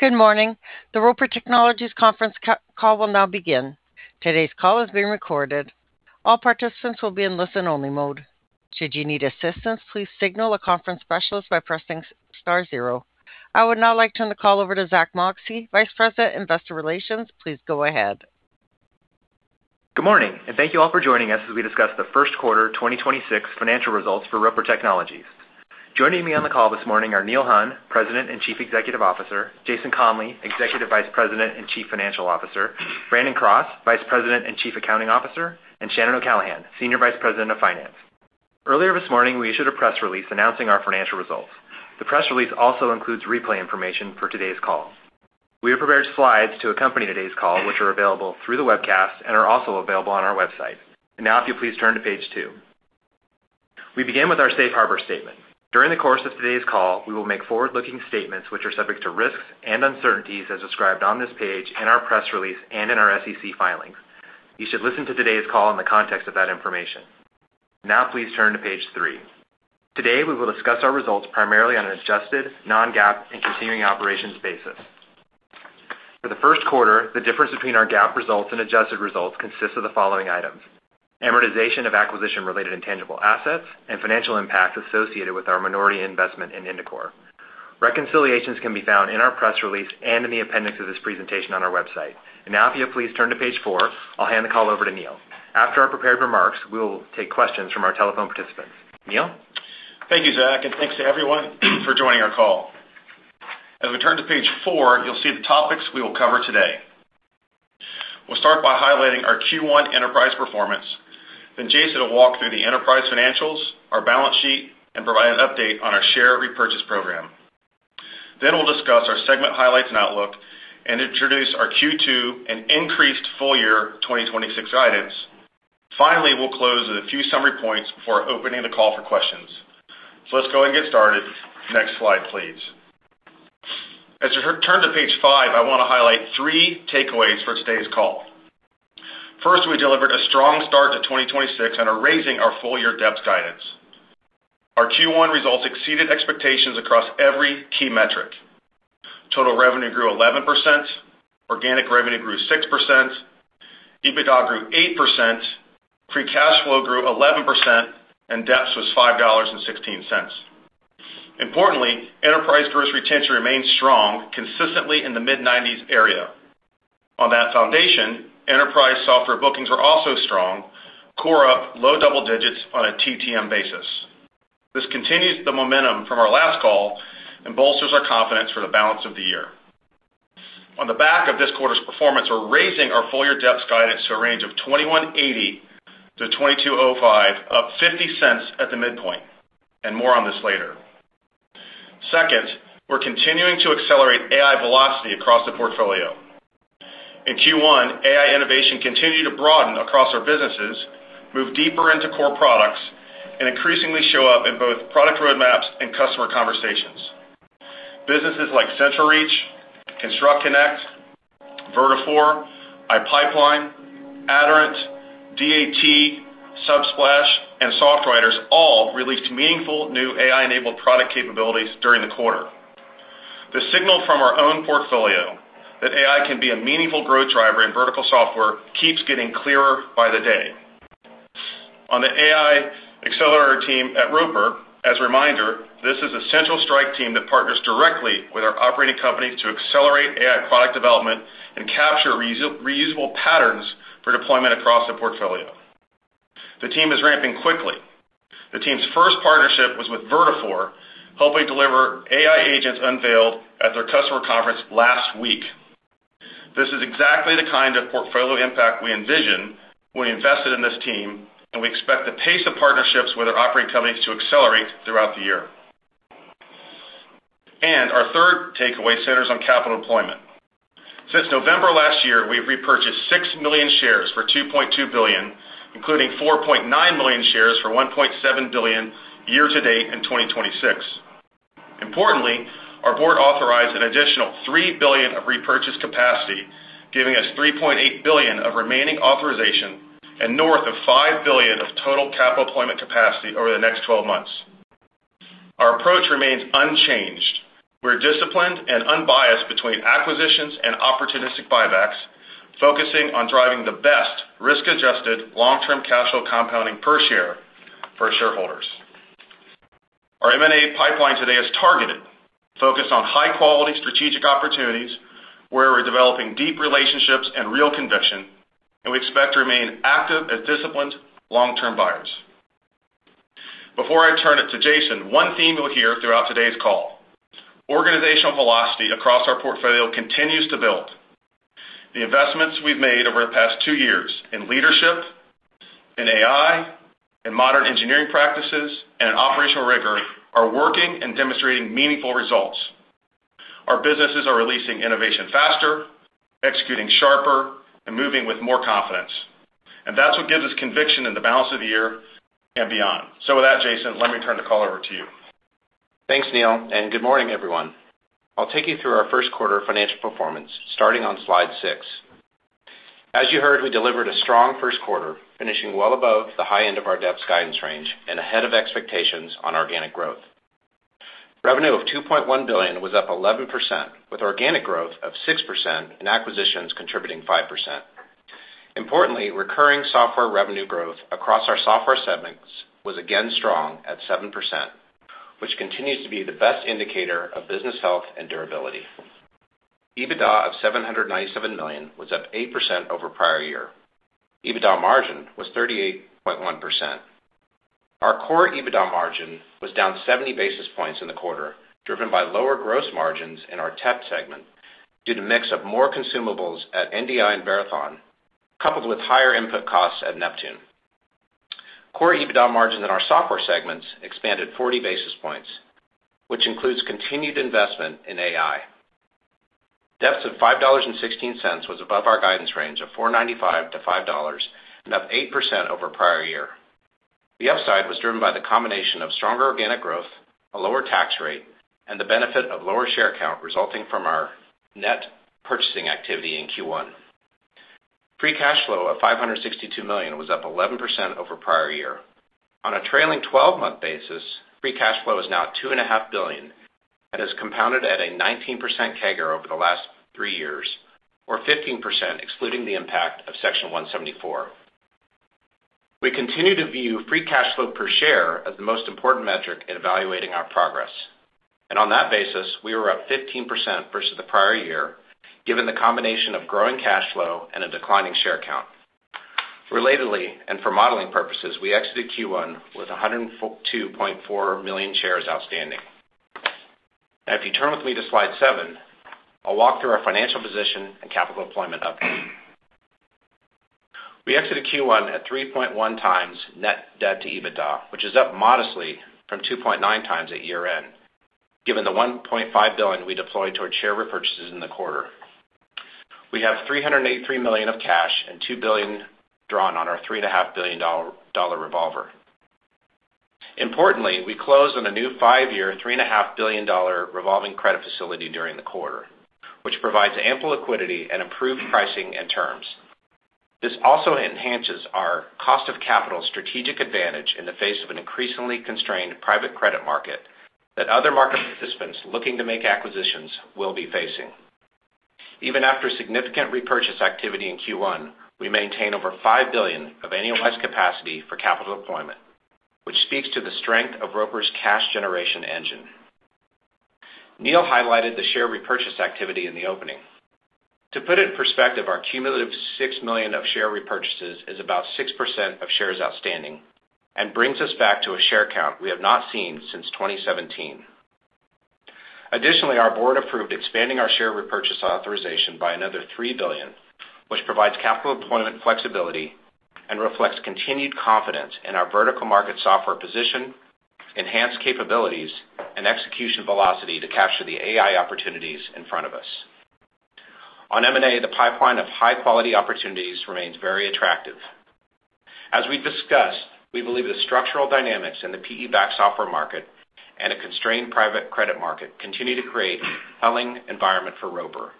Good morning. The Roper Technologies conference call will now begin. Today's call is being recorded. All participants will be in listen-only mode. Should you need assistance, please signal a conference specialist by pressing star zero. I would now like to turn the call over to Zack Moxcey, Vice President, Investor Relations. Please go ahead. Good morning, and thank you all for joining us as we discuss the first quarter 2026 financial results for Roper Technologies. Joining me on the call this morning are Neil Hunn, President and Chief Executive Officer, Jason Conley, Executive Vice President and Chief Financial Officer, Brandon Cross, Vice President and Chief Accounting Officer, and Shannon O'Callaghan, Senior Vice President of Finance. Earlier this morning, we issued a press release announcing our financial results. The press release also includes replay information for today's call. We have prepared slides to accompany today's call, which are available through the webcast and are also available on our website. Now if you'll please turn to page 2. We begin with our safe harbor statement. During the course of today's call, we will make forward-looking statements which are subject to risks and uncertainties as described on this page in our press release and in our SEC filings. You should listen to today's call in the context of that information. Now please turn to page 3. Today, we will discuss our results primarily on an adjusted non-GAAP and continuing operations basis. For the first quarter, the difference between our GAAP results and adjusted results consists of the following items: amortization of acquisition-related intangible assets and financial impacts associated with our minority investment in Indicor. Reconciliations can be found in our press release and in the appendix of this presentation on our website. Now if you'll please turn to page 4, I'll hand the call over to Neil. After our prepared remarks, we will take questions from our telephone participants. Neil? Thank you, Zack, and thanks to everyone for joining our call. As we turn to page 4, you'll see the topics we will cover today. We'll start by highlighting our Q1 enterprise performance. Jason will walk through the enterprise financials, our balance sheet, and provide an update on our share repurchase program. We'll discuss our segment highlights and outlook and introduce our Q2 and increased full-year 2026 guidance. Finally, we'll close with a few summary points before opening the call for questions. Let's go ahead and get started. Next slide, please. As you turn to page 5, I want to highlight three takeaways for today's call. First, we delivered a strong start to 2026 and are raising our full-year debt guidance. Our Q1 results exceeded expectations across every key metric. Total revenue grew 11%, organic revenue grew 6%, EBITDA grew 8%, free cash flow grew 11%, and DEPS was $5.16. Importantly, enterprise gross retention remains strong, consistently in the mid-90s area. On that foundation, enterprise software bookings were also strong, core up low double digits on a TTM basis. This continues the momentum from our last call and bolsters our confidence for the balance of the year. On the back of this quarter's performance, we're raising our full-year DEPS guidance to a range of $21.80-$22.05, up $0.50 at the midpoint, and more on this later. Second, we're continuing to accelerate AI velocity across the portfolio. In Q1, AI innovation continued to broaden across our businesses, move deeper into core products, and increasingly show up in both product roadmaps and customer conversations. Businesses like CentralReach, ConstructConnect, Vertafore, iPipeline, Aderant, DAT, Subsplash, and SoftWriters all released meaningful new AI-enabled product capabilities during the quarter. The signal from our own portfolio that AI can be a meaningful growth driver in vertical software keeps getting clearer by the day. On the AI accelerator team at Roper, as a reminder, this is a central strike team that partners directly with our operating companies to accelerate AI product development and capture reusable patterns for deployment across the portfolio. The team is ramping quickly. The team's first partnership was with Vertafore, helping deliver AI agents unveiled at their customer conference last week. This is exactly the kind of portfolio impact we envisioned when we invested in this team, and we expect the pace of partnerships with our operating companies to accelerate throughout the year. Our third takeaway centers on capital employment. Since November last year, we've repurchased 6 million shares for $2.2 billion, including 4.9 million shares for $1.7 billion year to date in 2026. Importantly, our board authorized an additional $3 billion of repurchase capacity, giving us $3.8 billion of remaining authorization and north of $5 billion of total capital employment capacity over the next 12 months. Our approach remains unchanged. We're disciplined and unbiased between acquisitions and opportunistic buybacks, focusing on driving the best risk-adjusted long-term cash flow compounding per share for our shareholders. Our M&A pipeline today is targeted, focused on high-quality strategic opportunities where we're developing deep relationships and real conviction, and we expect to remain active as disciplined long-term buyers. Before I turn it to Jason, one theme you'll hear throughout today's call: organizational velocity across our portfolio continues to build. The investments we've made over the past 2 years in leadership, in AI, in modern engineering practices, and in operational rigor are working and demonstrating meaningful results. Our businesses are releasing innovation faster, executing sharper, and moving with more confidence. That's what gives us conviction in the balance of the year and beyond. With that, Jason, let me turn the call over to you. Thanks, Neil, and good morning, everyone. I'll take you through our first quarter financial performance, starting on slide 6. As you heard, we delivered a strong first quarter, finishing well above the high end of our debt guidance range and ahead of expectations on organic growth. Revenue of $2.1 billion was up 11%, with organic growth of 6% and acquisitions contributing 5%. Importantly, recurring software revenue growth across our software segments was again strong at 7%, which continues to be the best indicator of business health and durability. EBITDA of $797 million was up 8% over prior year. EBITDA margin was 38.1%. Our core EBITDA margin was down 70 basis points in the quarter, driven by lower gross margins in our tech segment due to mix of more consumables at NDI and Verathon, coupled with higher input costs at Neptune. Core EBITDA margins in our software segments expanded 40 basis points, which includes continued investment in AI. EPS of $5.16 was above our guidance range of $4.95-$5 and up 8% over prior year. The upside was driven by the combination of stronger organic growth, a lower tax rate, and the benefit of lower share count resulting from our net purchasing activity in Q1. Free cash flow of $562 million was up 11% over prior year. On a trailing 12-month basis, free cash flow is now $2.5 billion and has compounded at a 19% CAGR over the last 3 years or 15%, excluding the impact of Section 174. We continue to view free cash flow per share as the most important metric in evaluating our progress. On that basis, we were up 15% versus the prior year, given the combination of growing cash flow and a declining share count. Relatedly, and for modeling purposes, we exited Q1 with 102.4 million shares outstanding. Now, if you turn with me to slide 7, I'll walk through our financial position and capital deployment update. We exited Q1 at 3.1x net debt to EBITDA, which is up modestly from 2.9x at year-end, given the $1.5 billion we deployed towards share repurchases in the quarter. We have $383 million of cash and $2 billion drawn on our $3.5 billion revolver. Importantly, we closed on a new 5-year, $3.5 billion revolving credit facility during the quarter, which provides ample liquidity at improved pricing and terms. This also enhances our cost of capital strategic advantage in the face of an increasingly constrained private credit market that other market participants looking to make acquisitions will be facing. Even after significant repurchase activity in Q1, we maintain over $5 billion of annualized capacity for capital deployment, which speaks to the strength of Roper's cash generation engine. Neil highlighted the share repurchase activity in the opening. To put it in perspective, our cumulative 6 million of share repurchases is about 6% of shares outstanding and brings us back to a share count we have not seen since 2017. Additionally, our board approved expanding our share repurchase authorization by another $3 billion, which provides capital deployment flexibility and reflects continued confidence in our vertical market software position, enhanced capabilities, and execution velocity to capture the AI opportunities in front of us. On M&A, the pipeline of high-quality opportunities remains very attractive. As we've discussed, we believe the structural dynamics in the PE-backed software market and a constrained private credit market continue to create a compelling environment for Roper.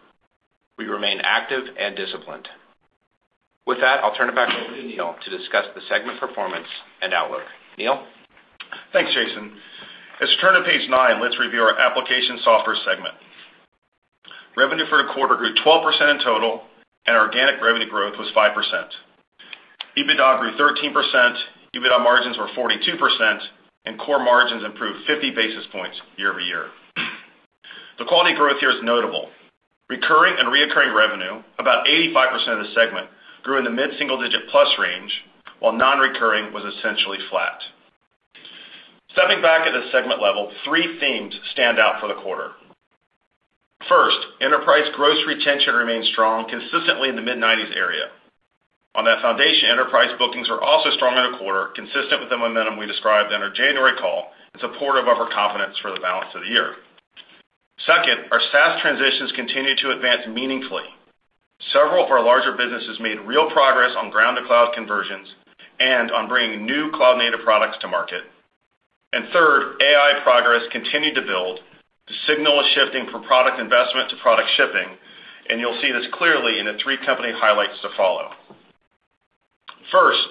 We remain active and disciplined. With that, I'll turn it back over to Neil to discuss the segment performance and outlook. Neil? Thanks, Jason. As you turn to page 9, let's review our application software segment. Revenue for the quarter grew 12% in total, and our organic revenue growth was 5%. EBITDA grew 13%, EBITDA margins were 42%, and core margins improved 50 basis points year-over-year. The quality growth here is notable. Recurring revenue, about 85% of the segment, grew in the mid-single-digit plus range, while non-recurring was essentially flat. Stepping back at a segment level, three themes stand out for the quarter. First, enterprise gross retention remains strong, consistently in the mid-90s area. On that foundation, enterprise bookings were also strong in the quarter, consistent with the momentum we described in our January call and supportive of our confidence for the balance of the year. Second, our SaaS transitions continue to advance meaningfully. Several of our larger businesses made real progress on on-prem to cloud conversions and on bringing new cloud-native products to market. Third, AI progress continued to build. The signal is shifting from product investment to product shipping, and you'll see this clearly in the three company highlights to follow. First,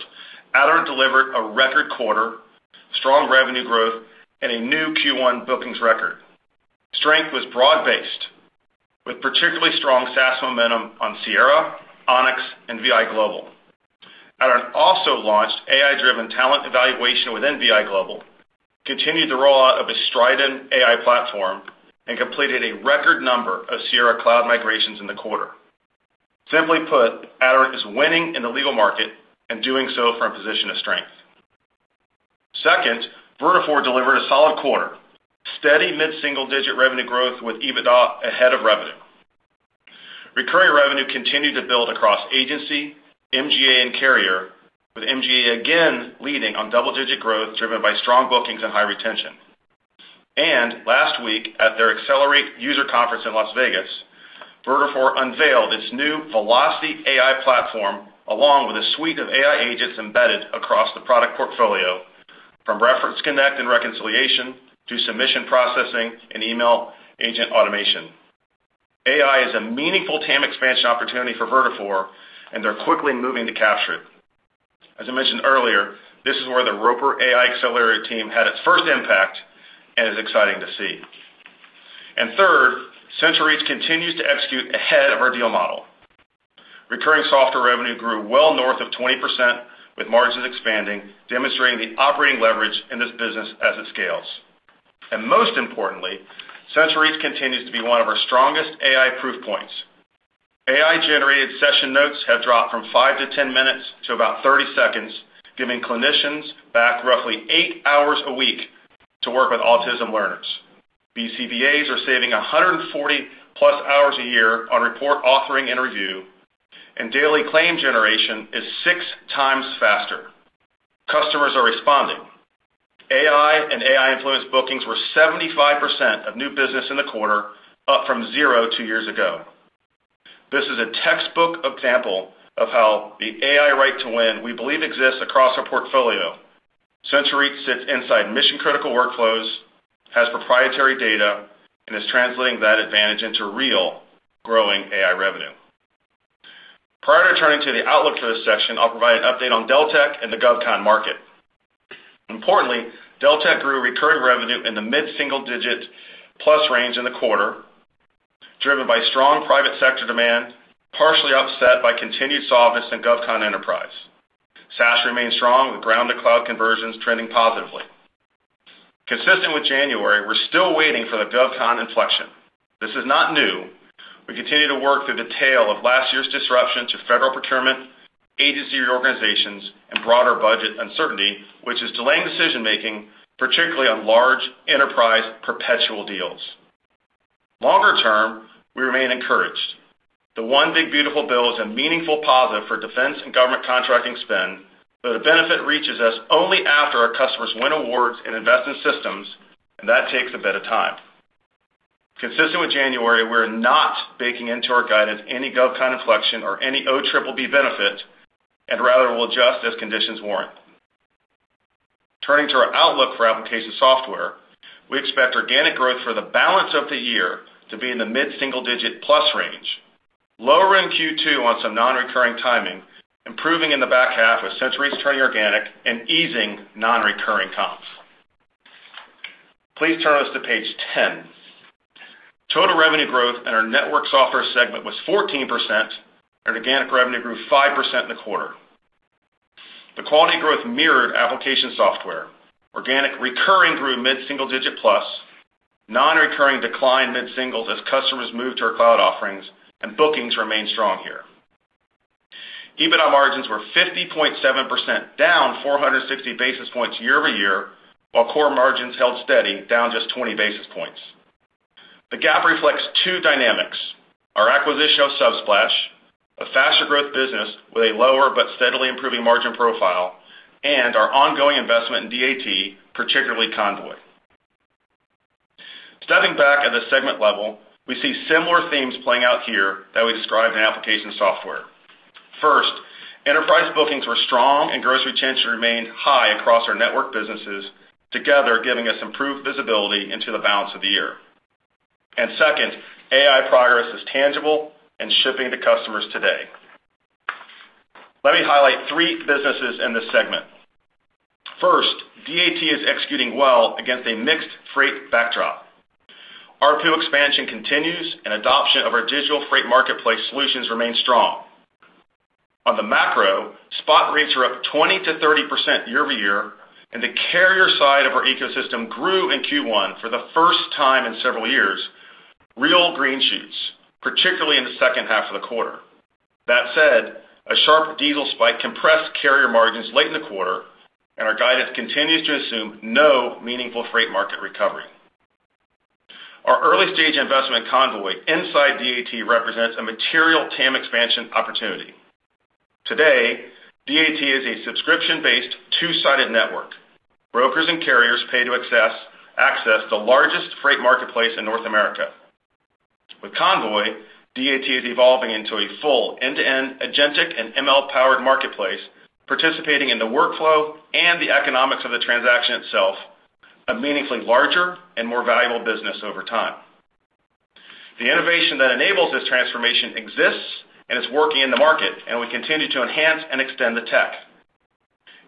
Aderant delivered a record quarter, strong revenue growth, and a new Q1 bookings record. Strength was broad-based, with particularly strong SaaS momentum on Sierra, Onyx, and ViGlobal. Aderant also launched AI-driven talent evaluation within ViGlobal, continued the rollout of the Stridyn AI platform, and completed a record number of Sierra cloud migrations in the quarter. Simply put, Aderant is winning in the legal market and doing so from a position of strength. Second, Vertafore delivered a solid quarter, steady mid-single-digit revenue growth with EBITDA ahead of revenue. Recurring revenue continued to build across agency, MGA, and carrier, with MGA again leading on double-digit growth driven by strong bookings and high retention. Last week at their Accelerate user conference in Las Vegas, Vertafore unveiled its new Velocity AI platform, along with a suite of AI agents embedded across the product portfolio, Connect and reconciliation to submission processing and email agent automation. AI is a meaningful TAM expansion opportunity for Vertafore, and they're quickly moving to capture it. As I mentioned earlier, this is where the Roper AI accelerator team had its first impact, and it's exciting to see. Third, CentralReach continues to execute ahead of our deal model. Recurring software revenue grew well north of 20%, with margins expanding, demonstrating the operating leverage in this business as it scales. Most importantly, CentralReach continues to be one of our strongest AI proof points. AI-generated session notes have dropped from 5-10 minutes to about 30 seconds, giving clinicians back roughly 8 hours a week to work with autism learners. BCBAs are saving 140+ hours a year on report authoring and review, and daily claim generation is 6x faster. Customers are responding. AI and AI-influenced bookings were 75% of new business in the quarter, up from 0 to 2 years ago. This is a textbook example of how the AI right to win we believe exists across our portfolio. CentralReach sits inside mission-critical workflows, has proprietary data, and is translating that advantage into real growing AI revenue. Prior to turning to the outlook for this section, I'll provide an update on Deltek and the GovCon market. Importantly, Deltek grew recurring revenue in the mid-single digit plus range in the quarter, driven by strong private sector demand, partially offset by continued softness in GovCon enterprise. SaaS remains strong, with ground-to-cloud conversions trending positively. Consistent with January, we're still waiting for the GovCon inflection. This is not new. We continue to work through the tail of last year's disruption to federal procurement, agency reorganizations, and broader budget uncertainty, which is delaying decision-making, particularly on large enterprise perpetual deals. Longer term, we remain encouraged. The One Big Beautiful Bill is a meaningful positive for defense and government contracting spend, though the benefit reaches us only after our customers win awards and invest in systems, and that takes a bit of time. Consistent with January, we're not baking into our guidance any GovCon inflection or any OBBB benefit, and rather will adjust as conditions warrant. Turning to our outlook for application software, we expect organic growth for the balance of the year to be in the mid-single digit plus range, lowering Q2 on some non-recurring timing, improving in the back half with CentralReach's turning organic, and easing non-recurring comps. Please turn to page 10. Total revenue growth in our network software segment was 14%, and organic revenue grew 5% in the quarter. The quality growth mirrored application software. Organic recurring grew mid-single digit plus. Non-recurring declined mid-single as customers moved to our cloud offerings, and bookings remained strong here. EBITDA margins were 50.7%, down 460 basis points year-over-year, while core margins held steady, down just 20 basis points. The gap reflects two dynamics: our acquisition of Subsplash, a faster-growth business with a lower but steadily improving margin profile, and our ongoing investment in DAT, particularly Convoy. Stepping back at the segment level, we see similar themes playing out here that we described in application software. First, enterprise bookings were strong and gross retention remained high across our network businesses, together giving us improved visibility into the balance of the year. Second, AI progress is tangible and shipping to customers today. Let me highlight three businesses in this segment. First, DAT is executing well against a mixed freight backdrop. RPU expansion continues, and adoption of our digital freight marketplace solutions remain strong. On the macro, spot rates are up 20%-30% year-over-year, and the carrier side of our ecosystem grew in Q1 for the first time in several years, real green shoots, particularly in the second half of the quarter. That said, a sharp diesel spike compressed carrier margins late in the quarter, and our guidance continues to assume no meaningful freight market recovery. Our early-stage investment Convoy inside DAT represents a material TAM expansion opportunity. Today, DAT is a subscription-based two-sided network. Brokers and carriers pay to access the largest freight marketplace in North America. With Convoy, DAT is evolving into a full end-to-end agentic and ML-powered marketplace, participating in the workflow and the economics of the transaction itself, a meaningfully larger and more valuable business over time. The innovation that enables this transformation exists, and it's working in the market, and we continue to enhance and extend the tech.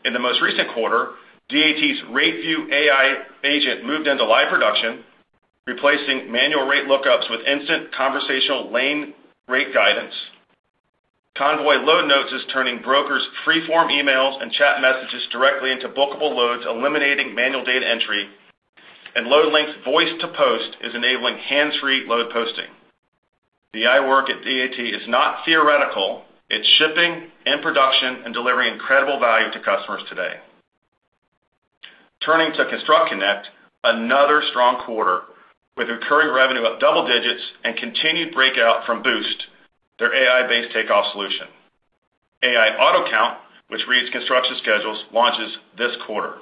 In the most recent quarter, DAT's RateView AI agent moved into live production, replacing manual rate lookups with instant conversational lane rate guidance. Convoy Load Notes is turning brokers' freeform emails and chat messages directly into bookable loads, eliminating manual data entry, and Loadlink Voice to Post is enabling hands-free load posting. The AI work at DAT is not theoretical. It's shipping in production and delivering incredible value to customers today. Turning to ConstructConnect, another strong quarter with recurring revenue up double digits and continued breakout from Boost, their AI-based takeoff solution. AI AutoCount, which reads construction schedules, launches this quarter.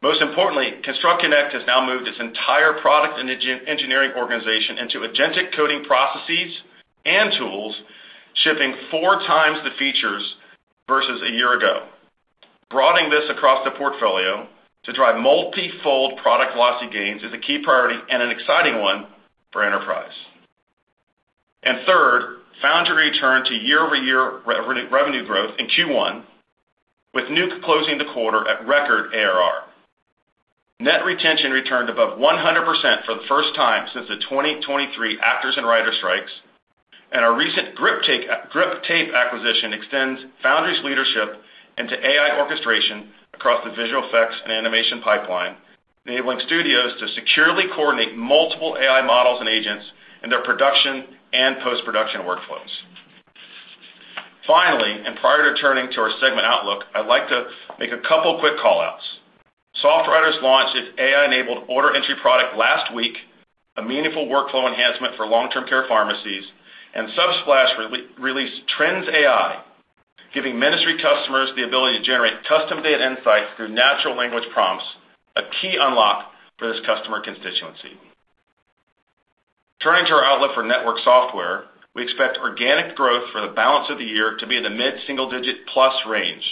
Most importantly, ConstructConnect has now moved its entire product and engineering organization into agentic coding processes and tools. Shipping 4x the features versus a year ago. Broadening this across the portfolio to drive multi-fold product velocity gains is a key priority and an exciting one for enterprise. Third, Foundry returned to year-over-year revenue growth in Q1, with Nuke closing the quarter at record ARR. Net retention returned above 100% for the first time since the 2023 actors and writer strikes, and our recent Griptape acquisition extends Foundry's leadership into AI orchestration across the visual effects and animation pipeline, enabling studios to securely coordinate multiple AI models and agents in their production and post-production workflows. Finally, prior to turning to our segment outlook, I'd like to make a couple quick call-outs. SoftWriters launched its AI-enabled order entry product last week, a meaningful workflow enhancement for long-term care pharmacies, and Subsplash released Trends AI, giving ministry customers the ability to generate custom data insights through natural language prompts, a key unlock for this customer constituency. Turning to our outlook for network software, we expect organic growth for the balance of the year to be in the mid-single digit plus range.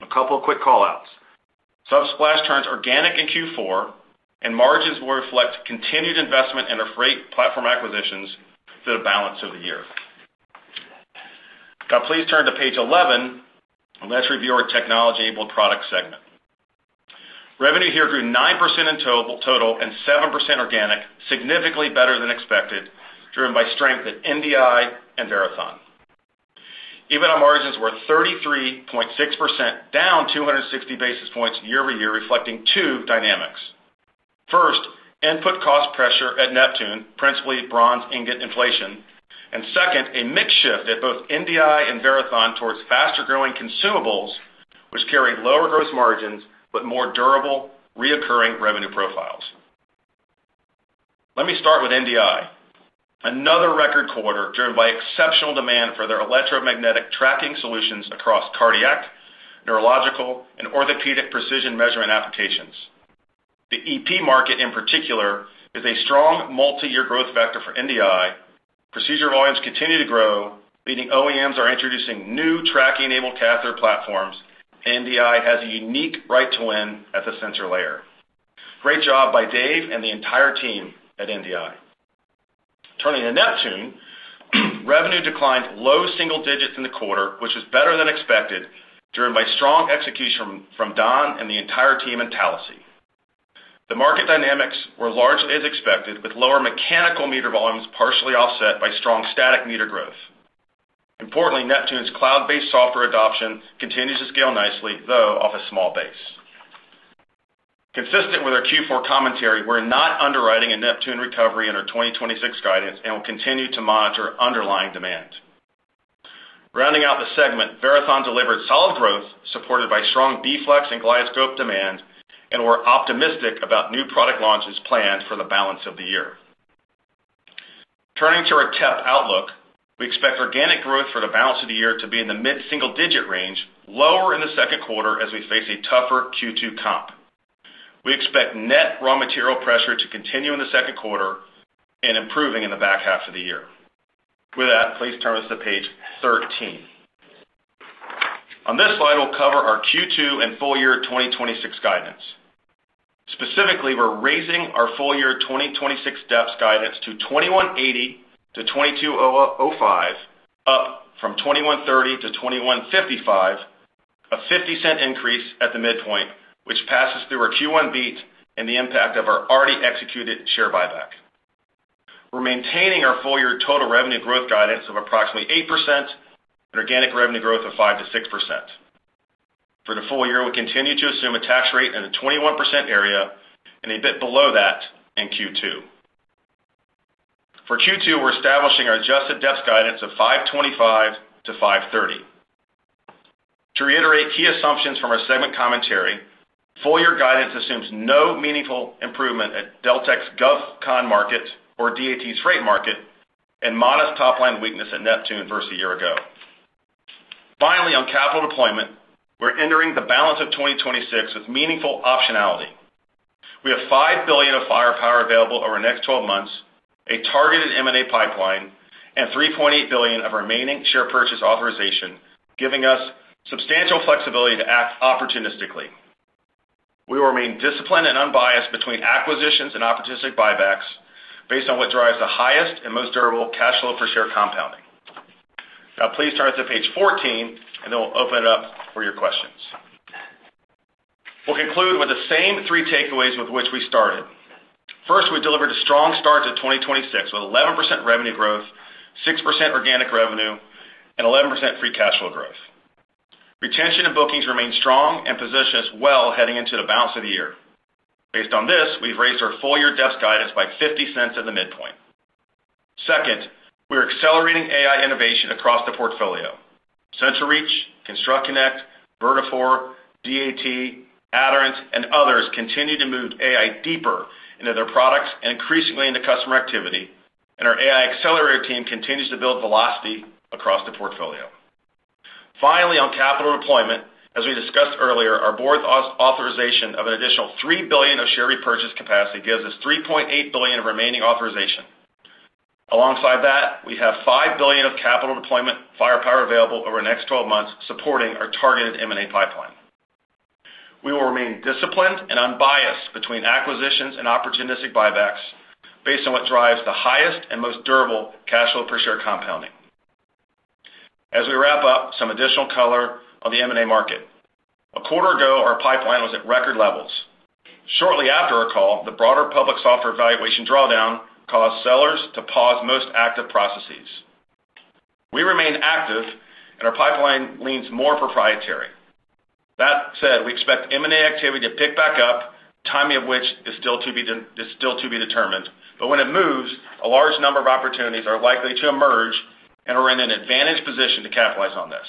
A couple of quick call-outs. Subsplash turns organic in Q4, and margins will reflect continued investment in our freight platform acquisitions through the balance of the year. Now please turn to page 11, and let's review our Technology-Enabled Products segment. Revenue here grew 9% in total and 7% organic, significantly better than expected, driven by strength at NDI and Verathon. EBITDA margins were 33.6%, down 260 basis points year-over-year, reflecting two dynamics. First, input cost pressure at Neptune, principally bronze ingot inflation. Second, a mix shift at both NDI and Verathon towards faster-growing consumables, which carry lower gross margins but more durable recurring revenue profiles. Let me start with NDI. Another record quarter driven by exceptional demand for their electromagnetic tracking solutions across cardiac, neurological, and orthopedic precision measurement applications. The EP market, in particular, is a strong multi-year growth vector for NDI. Procedure volumes continue to grow, meaning OEMs are introducing new tracking-enabled catheter platforms, and NDI has a unique right to win at the sensor layer. Great job by Dave and the entire team at NDI. Turning to Neptune, revenue declined low single digits in the quarter, which was better than expected, driven by strong execution from Don and the entire team at Deltek. The market dynamics were large as expected, with lower mechanical meter volumes partially offset by strong static meter growth. Importantly, Neptune's cloud-based software adoption continues to scale nicely, though off a small base. Consistent with our Q4 commentary, we're not underwriting a Neptune recovery in our 2026 guidance and will continue to monitor underlying demand. Rounding out the segment, Verathon delivered solid growth supported by strong D-Flex and GlideScope demand, and we're optimistic about new product launches planned for the balance of the year. Turning to our TEP outlook, we expect organic growth for the balance of the year to be in the mid-single digit range, lower in the second quarter as we face a tougher Q2 comp. We expect net raw material pressure to continue in the second quarter and improving in the back half of the year. With that, please turn to page 13. On this slide, we'll cover our Q2 and full year 2026 guidance. Specifically, we're raising our full year 2026 DPS guidance to $21.80-$22.05, up from $21.30-$21.55, a $0.50 increase at the midpoint, which passes through our Q1 beat and the impact of our already executed share buyback. We're maintaining our full year total revenue growth guidance of approximately 8% and organic revenue growth of 5%-6%. For the full year, we continue to assume a tax rate in the 21% area and a bit below that in Q2. For Q2, we're establishing our adjusted DPS guidance of $5.25-$5.30. To reiterate key assumptions from our segment commentary, full year guidance assumes no meaningful improvement at Deltek's GovCon market or DAT's freight market and modest top-line weakness at Neptune versus a year ago. Finally, on capital deployment, we're entering the balance of 2026 with meaningful optionality. We have $5 billion of firepower available over the next 12 months, a targeted M&A pipeline, and $3.8 billion of remaining share purchase authorization, giving us substantial flexibility to act opportunistically. We will remain disciplined and unbiased between acquisitions and opportunistic buybacks based on what drives the highest and most durable cash flow per share compounding. Now please turn to page 14, and then we'll open it up for your questions. We'll conclude with the same three takeaways with which we started. First, we delivered a strong start to 2026 with 11% revenue growth, 6% organic revenue, and 11% free cash flow growth. Retention and bookings remain strong and position us well heading into the balance of the year. Based on this, we've raised our full year DEPS guidance by $0.50 at the midpoint. Second, we're accelerating AI innovation across the portfolio. CentralReach, ConstructConnect, Vertafore, DAT, Aderant, and others continue to move AI deeper into their products and increasingly into customer activity, and our AI accelerator team continues to build velocity across the portfolio. Finally, on capital deployment, as we discussed earlier, our board's authorization of an additional $3 billion of share repurchase capacity gives us $3.8 billion of remaining authorization. Alongside that, we have $5 billion of capital deployment firepower available over the next 12 months supporting our targeted M&A pipeline. We will remain disciplined and unbiased between acquisitions and opportunistic buybacks based on what drives the highest and most durable cash flow per share compounding. As we wrap up, some additional color on the M&A market. A quarter ago, our pipeline was at record levels. Shortly after our call, the broader public software valuation drawdown caused sellers to pause most active processes. We remain active, and our pipeline leans more proprietary. That said, we expect M&A activity to pick back up, timing of which is still to be determined. When it moves, a large number of opportunities are likely to emerge, and we're in an advantaged position to capitalize on this.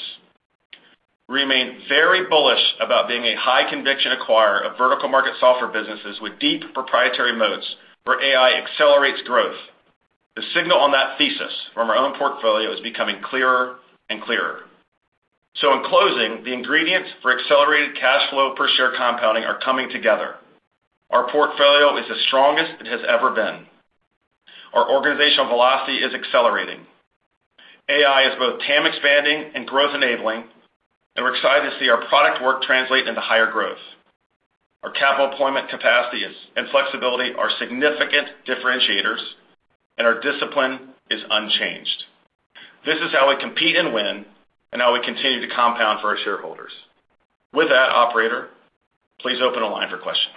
Remain very bullish about being a high conviction acquirer of vertical market software businesses with deep proprietary moats where AI accelerates growth. The signal on that thesis from our own portfolio is becoming clearer and clearer. In closing, the ingredients for accelerated cash flow per share compounding are coming together. Our portfolio is the strongest it has ever been. Our organizational velocity is accelerating. AI is both TAM expanding and growth enabling, and we're excited to see our product work translate into higher growth. Our capital deployment capacity and flexibility are significant differentiators, and our discipline is unchanged. This is how we compete and win, and how we continue to compound for our shareholders. With that, operator, please open the line for questions.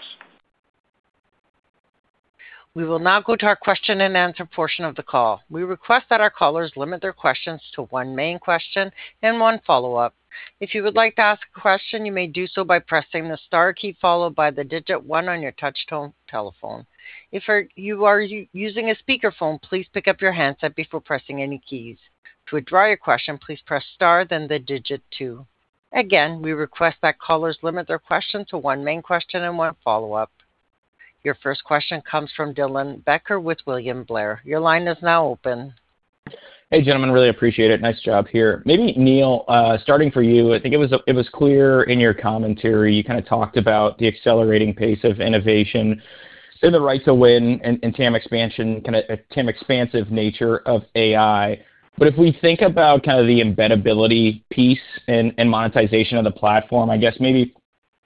We will now go to our question and answer portion of the call. We request that our callers limit their questions to one main question and one follow-up. If you would like to ask a question, you may do so by pressing the star key followed by the digit one on your touch tone telephone. If you are using a speakerphone, please pick up your handset before pressing any keys. To withdraw your question, please press star, then the digit two. Again, we request that callers limit their question to one main question and one follow-up. Your first question comes from Dylan Becker with William Blair. Your line is now open. Hey, gentlemen. Really appreciate it. Nice job here. Maybe Neil, starting for you, I think it was clear in your commentary, you talked about the accelerating pace of innovation and the right to win in TAM expansion, kind of TAM expansive nature of AI. But if we think about the embeddability piece and monetization of the platform, I guess maybe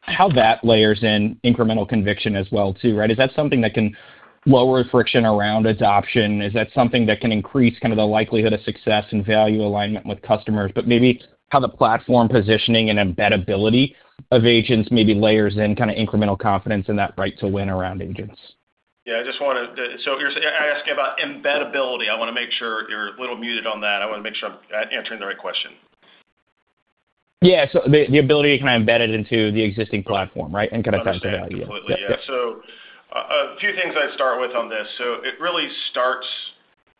how that layers in incremental conviction as well too, right? Is that something that can lower friction around adoption? Is that something that can increase the likelihood of success and value alignment with customers? But maybe how the platform positioning and embeddability of agents maybe layers in incremental confidence in that right to win around agents. Yeah, you're asking about embeddability. You're a little muted on that. I want to make sure I'm answering the right question. Yeah. The ability to embed it into the existing platform, right? Kind of understand the value. Understand completely. Yeah. A few things I'd start with on this. It really starts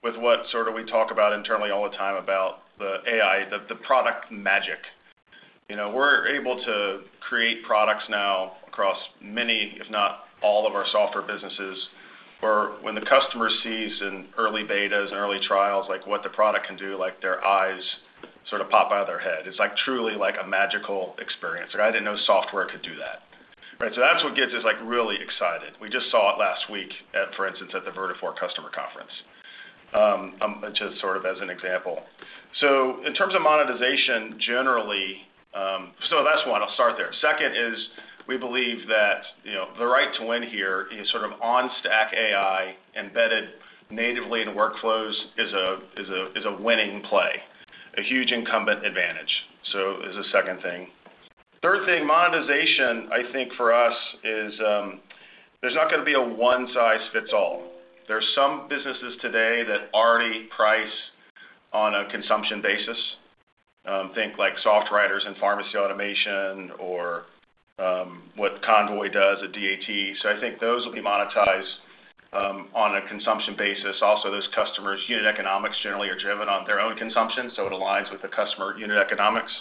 with what we talk about internally all the time about the AI, the product magic. We're able to create products now across many, if not all of our software businesses, where when the customer sees in early betas and early trials, like what the product can do, their eyes sort of pop out of their head. It's truly like a magical experience, like, "I didn't know software could do that." That's what gets us really excited. We just saw it last week, for instance, at the Vertafore customer conference, just sort of as an example. In terms of monetization, generally. That's one, I'll start there. Second is we believe that the right to win here is sort of on-stack AI embedded natively into workflows is a winning play, a huge incumbent advantage. Is the second thing. Third thing, monetization, I think for us is, there's not going to be a one size fits all. There are some businesses today that already price on a consumption basis. Think like SoftWriters and pharmacy automation or what Convoy does at DAT. I think those will be monetized on a consumption basis. Also, those customers' unit economics generally are driven on their own consumption, so it aligns with the customer unit economics.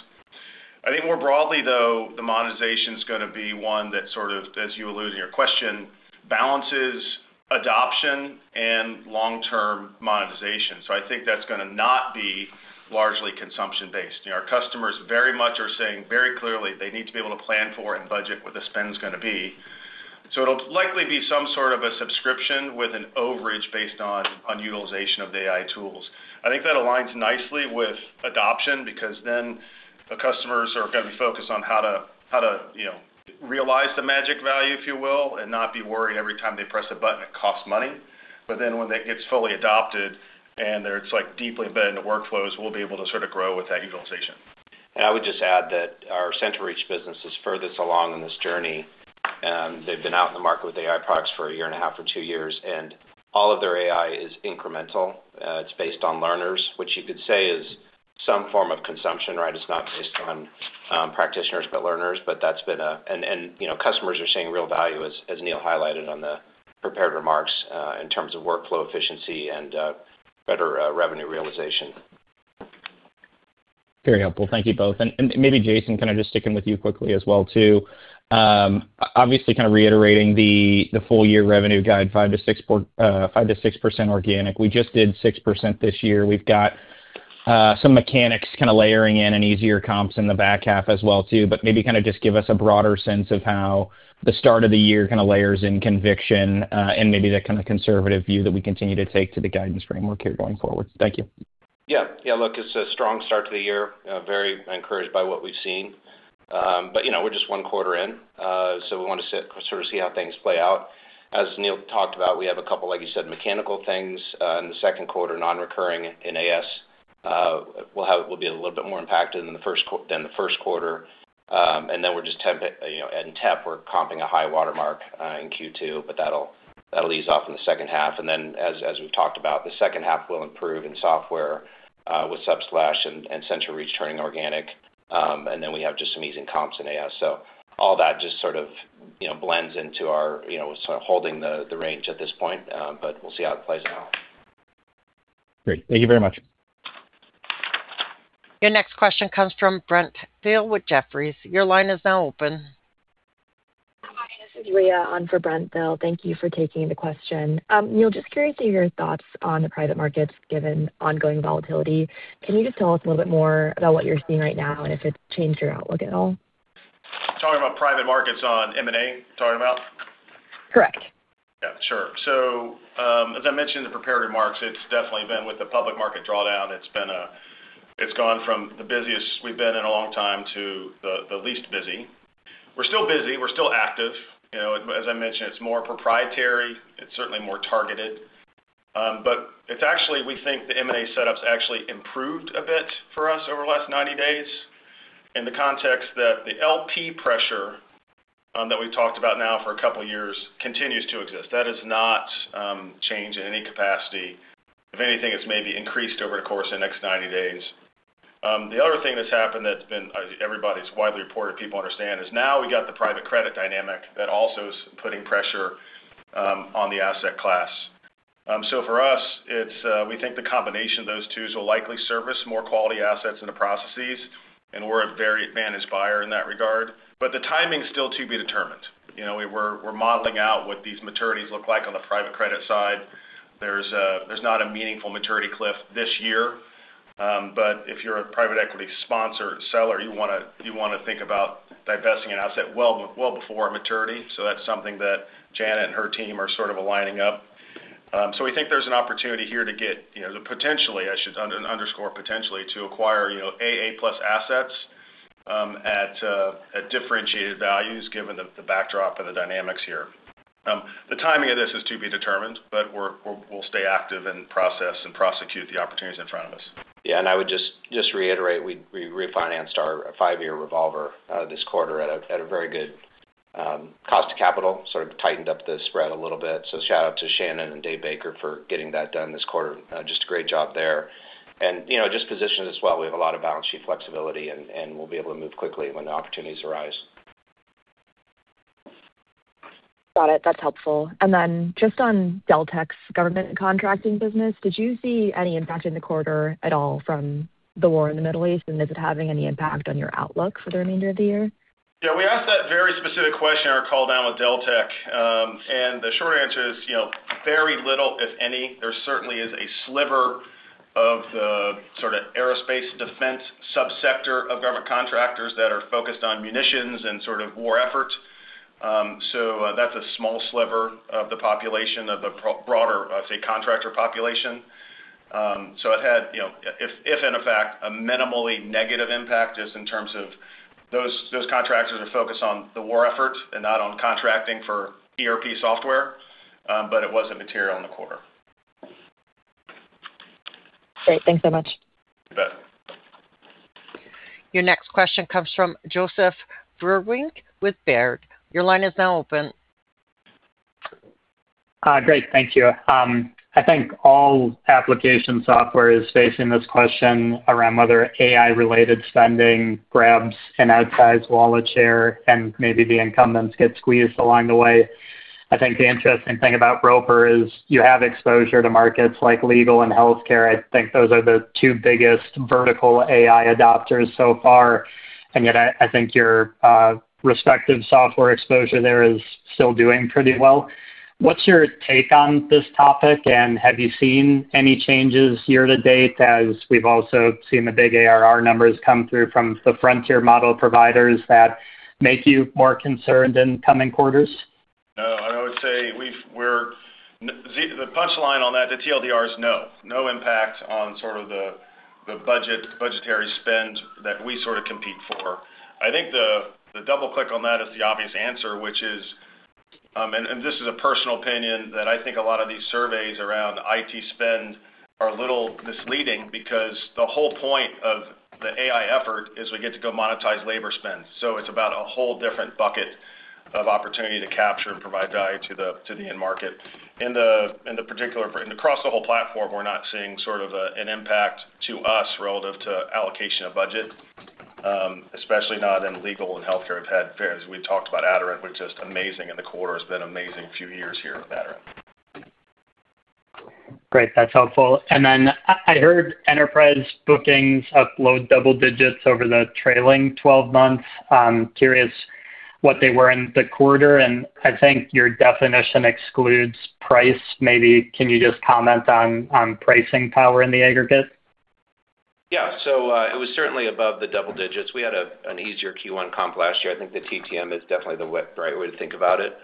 I think more broadly, though, the monetization's going to be one that sort of, as you allude in your question, balances adoption and long-term monetization. I think that's going to not be largely consumption-based. Our customers very much are saying very clearly they need to be able to plan for and budget what the spend's going to be. It'll likely be some sort of a subscription with an overage based on utilization of the AI tools. I think that aligns nicely with adoption because then the customers are going to be focused on how to realize the magic value, if you will, and not be worried every time they press a button, it costs money. When that gets fully adopted and it's deeply embedded in the workflows, we'll be able to sort of grow with that utilization. I would just add that our CentralReach business is furthest along on this journey. They've been out in the market with AI products for 1.5 or 2 years, and all of their AI is incremental. It's based on learners, which you could say is some form of consumption, right? It's not based on practitioners but learners. Customers are seeing real value, as Neil highlighted on the prepared remarks, in terms of workflow efficiency and better revenue realization. Very helpful. Thank you both. Maybe Jason, kind of just sticking with you quickly as well too. Obviously, kind of reiterating the full year revenue guide, 5%-6% organic. We just did 6% this year. We've got some mechanics kind of layering in and easier comps in the back half as well too, but maybe kind of just give us a broader sense of how the start of the year kind of layers in conviction, and maybe that kind of conservative view that we continue to take to the guidance framework here going forward. Thank you. Yeah. Look, it's a strong start to the year, very encouraged by what we've seen. We're just one quarter in, so we want to sort of see how things play out. As Neil talked about, we have a couple, like you said, mechanical things in the second quarter, non-recurring in AS. We'll be a little bit more impacted than the first quarter. We're just comping. In TEP, we're comping a high water mark in Q2, but that'll ease off in the second half. As we've talked about, the second half will improve in software with Subsplash and CentralReach turning organic. We have just some easing comps in AS. All that just sort of blends into our sort of holding the range at this point. We'll see how it plays out. Great. Thank you very much. Your next question comes from Brent Thill with Jefferies. Your line is now open. Hi, this is [Leah] on for Brent Thill. Thank you for taking the question. Neil, just curious to hear your thoughts on the private markets given ongoing volatility. Can you just tell us a little bit more about what you're seeing right now, and if it's changed your outlook at all? Talking about private markets on M&A? Correct. Yeah, sure. As I mentioned in the prepared remarks, it's definitely been with the public market drawdown, it's gone from the busiest we've been in a long time to the least busy. We're still busy. We're still active. As I mentioned, it's more proprietary. It's certainly more targeted. It's actually, we think the M&A setups actually improved a bit for us over the last 90 days in the context that the LP pressure that we've talked about now for a couple of years continues to exist. That has not changed in any capacity. If anything, it's maybe increased over the course of the next 90 days. The other thing that's happened, that's been widely reported, people understand, is now we got the private credit dynamic that also is putting pressure on the asset class. For us, we think the combination of those two will likely service more quality assets in the processes, and we're a very advanced buyer in that regard. The timing is still to be determined. We're modeling out what these maturities look like on the private credit side. There's not a meaningful maturity cliff this year. If you're a private equity sponsor seller, you want to think about divesting an asset well before maturity. That's something that Janet and her team are sort of aligning up. We think there's an opportunity here to get, potentially, I should underscore potentially, to acquire AA+ assets at differentiated values given the backdrop of the dynamics here. The timing of this is to be determined, but we'll stay active and process and prosecute the opportunities in front of us. Yeah, I would just reiterate, we refinanced our 5-year revolver this quarter at a very good cost of capital, sort of tightened up the spread a little bit. Shout out to Shannon and Dave Baker for getting that done this quarter. Just a great job there. Just positioned us well. We have a lot of balance sheet flexibility, and we'll be able to move quickly when the opportunities arise. Got it. That's helpful. Just on Deltek's government contracting business, did you see any impact in the quarter at all from the war in the Middle East, and is it having any impact on your outlook for the remainder of the year? Yeah, we asked that very specific question on our call down with Deltek, and the short answer is very little, if any. There certainly is a sliver of the sort of aerospace defense sub-sector of government contractors that are focused on munitions and sort of war efforts. That's a small sliver of the population of the broader, say, contractor population. It had, if in effect, a minimally negative impact, just in terms of those contractors are focused on the war effort and not on contracting for ERP software, but it wasn't material in the quarter. Great. Thanks so much. You bet. Your next question comes from Joseph Vruwink with Baird. Your line is now open. Great. Thank you. I think all application software is facing this question around whether AI-related spending grabs an outsized wallet share and maybe the incumbents get squeezed along the way. I think the interesting thing about Roper is you have exposure to markets like legal and healthcare. I think those are the two biggest vertical AI adopters so far, and yet I think your respective software exposure there is still doing pretty well. What's your take on this topic, and have you seen any changes year to date as we've also seen the big ARR numbers come through from the frontier model providers that make you more concerned in coming quarters? No, I would say the punchline on that, the TLDR is no. No impact on sort of the budgetary spend that we sort of compete for. I think the double click on that is the obvious answer, which is, and this is a personal opinion, that I think a lot of these surveys around IT spend are a little misleading because the whole point of the AI effort is we get to go monetize labor spend. So it's about a whole different bucket of opportunity to capture and provide value to the end market. Across the whole platform, we're not seeing sort of an impact to us relative to allocation of budget, especially not in legal and healthcare. We've had fairs. We talked about Aderant, which is amazing in the quarter. It's been amazing few years here with Aderant. Great. That's helpful. I heard enterprise bookings up low double digits over the trailing 12 months. Curious what they were in the quarter, and I think your definition excludes price, maybe can you just comment on pricing power in the aggregate? Yeah. It was certainly above the double digits. We had an easier Q1 comp last year. I think the TTM is definitely the right way to think about it.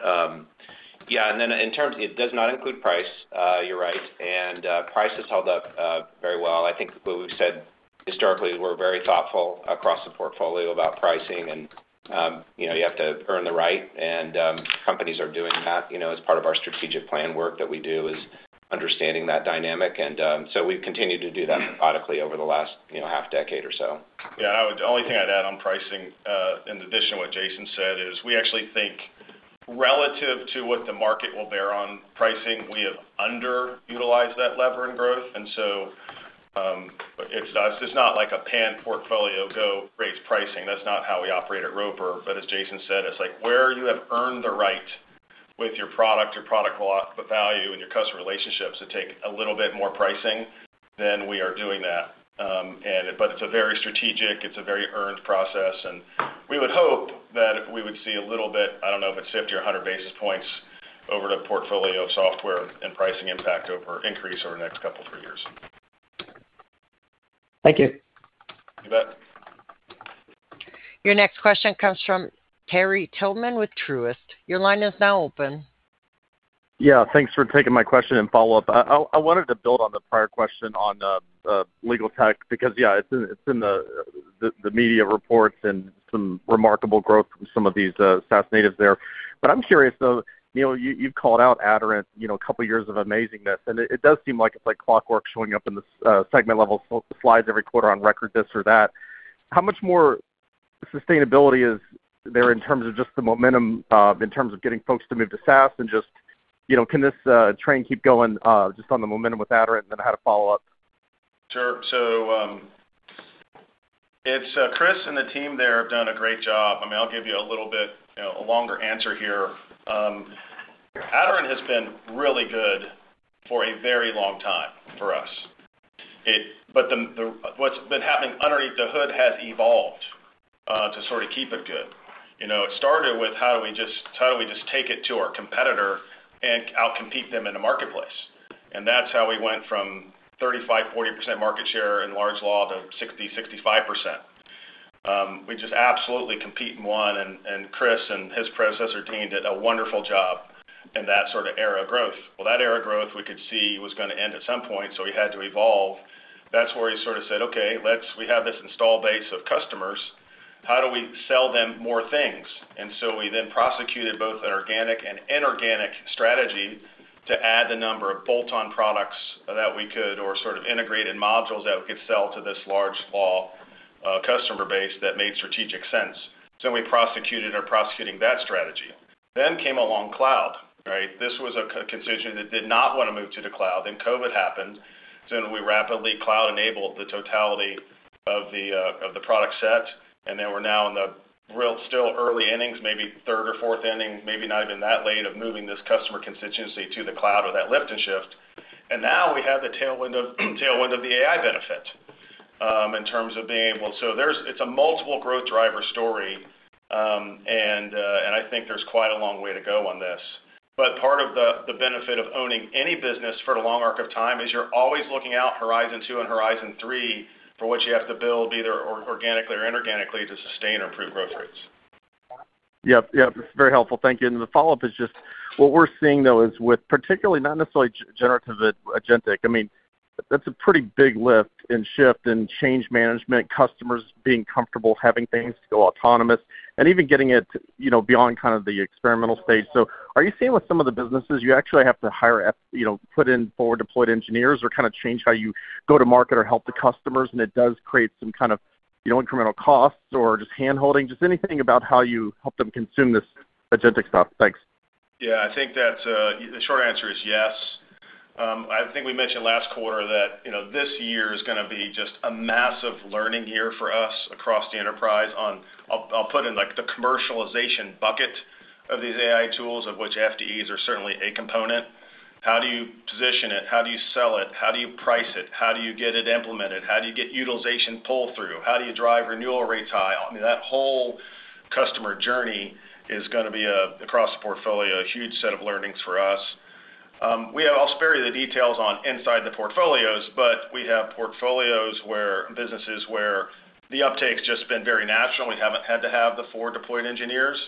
Yeah, it does not include price, you're right. Price has held up very well. I think what we've said historically, we're very thoughtful across the portfolio about pricing, and you have to earn the right, and companies are doing that as part of our strategic plan work that we do is understanding that dynamic. We've continued to do that methodically over the last half decade or so. Yeah, the only thing I'd add on pricing, in addition to what Jason said, is we actually think relative to what the market will bear on pricing, we have underutilized that lever in growth. It's not like a pan-portfolio go raise pricing. That's not how we operate at Roper. As Jason said, it's like where you have earned the right with your product, your product value, and your customer relationships to take a little bit more pricing, then we are doing that. It's a very strategic, it's a very earned process, and we would hope that we would see a little bit, I don't know if it's 50 or 100 basis points over the portfolio software and pricing impact increase over the next couple of years. Thank you. You bet. Your next question comes from Terry Tillman with Truist. Your line is now open. Yeah, thanks for taking my question and follow-up. I wanted to build on the prior question on legal tech because, yeah, it's in the media reports and some remarkable growth from some of these SaaS natives there. I'm curious, though, Neil, you've called out Aderant a couple years of amazingness, and it does seem like it's like clockwork showing up in the segment level slides every quarter on record, this or that. How much more sustainability is there in terms of just the momentum in terms of getting folks to move to SaaS and just, can this train keep going, just on the momentum with Aderant? I had a follow-up. Sure. Chris and the team there have done a great job. I'll give you a little bit, a longer answer here. Aderant has been really good for a very long time for us. What's been happening underneath the hood has evolved, to sort of keep it good. It started with how do we just take it to our competitor and out-compete them in the marketplace. That's how we went from 35%-40% market share in large law to 60%-65%. We just absolutely compete and won, and Chris and his predecessor, Deane, did a wonderful job in that sort of era of growth. Well, that era of growth we could see was going to end at some point, so we had to evolve. That's where he sort of said, "Okay, we have this installed base of customers. How do we sell them more things?" We then prosecuted both an organic and inorganic strategy to add the number of bolt-on products that we could or sort of integrated modules that we could sell to this large law customer base that made strategic sense. We prosecuted or prosecuting that strategy. Came along cloud, right? This was a constituency that did not want to move to the cloud. COVID happened. Soon we rapidly cloud-enabled the totality of the product set, and then we're now in the really still early innings, maybe third or fourth inning, maybe not even that late, of moving this customer constituency to the cloud or that lift and shift. Now we have the tailwind of the AI benefit, in terms of being able. It's a multiple growth driver story, and I think there's quite a long way to go on this. Part of the benefit of owning any business for the long arc of time is you're always looking out horizon two and horizon three for what you have to build, either organically or inorganically, to sustain or improve growth rates. Yep. It's very helpful. Thank you. The follow-up is just what we're seeing, though, is with particularly not necessarily generative agentic. That's a pretty big lift and shift and change management, customers being comfortable having things go autonomous, and even getting it beyond kind of the experimental stage. Are you seeing with some of the businesses, you actually have to put in four deployed engineers or kind of change how you go to market or help the customers, and it does create some kind of incremental costs or just handholding, just anything about how you help them consume this agentic stuff? Thanks. Yeah, I think that the short answer is yes. I think we mentioned last quarter that this year is going to be just a massive learning year for us across the enterprise on, I'll put it in like the commercialization bucket of these AI tools, of which FDEs are certainly a component. How do you position it? How do you sell it? How do you price it? How do you get it implemented? How do you get utilization pull-through? How do you drive renewal rates high? That whole customer journey is going to be, across the portfolio, a huge set of learnings for us. I'll spare you the details inside the portfolios, but we have portfolios where businesses the uptake's just been very natural. We haven't had to have the four deployed engineers.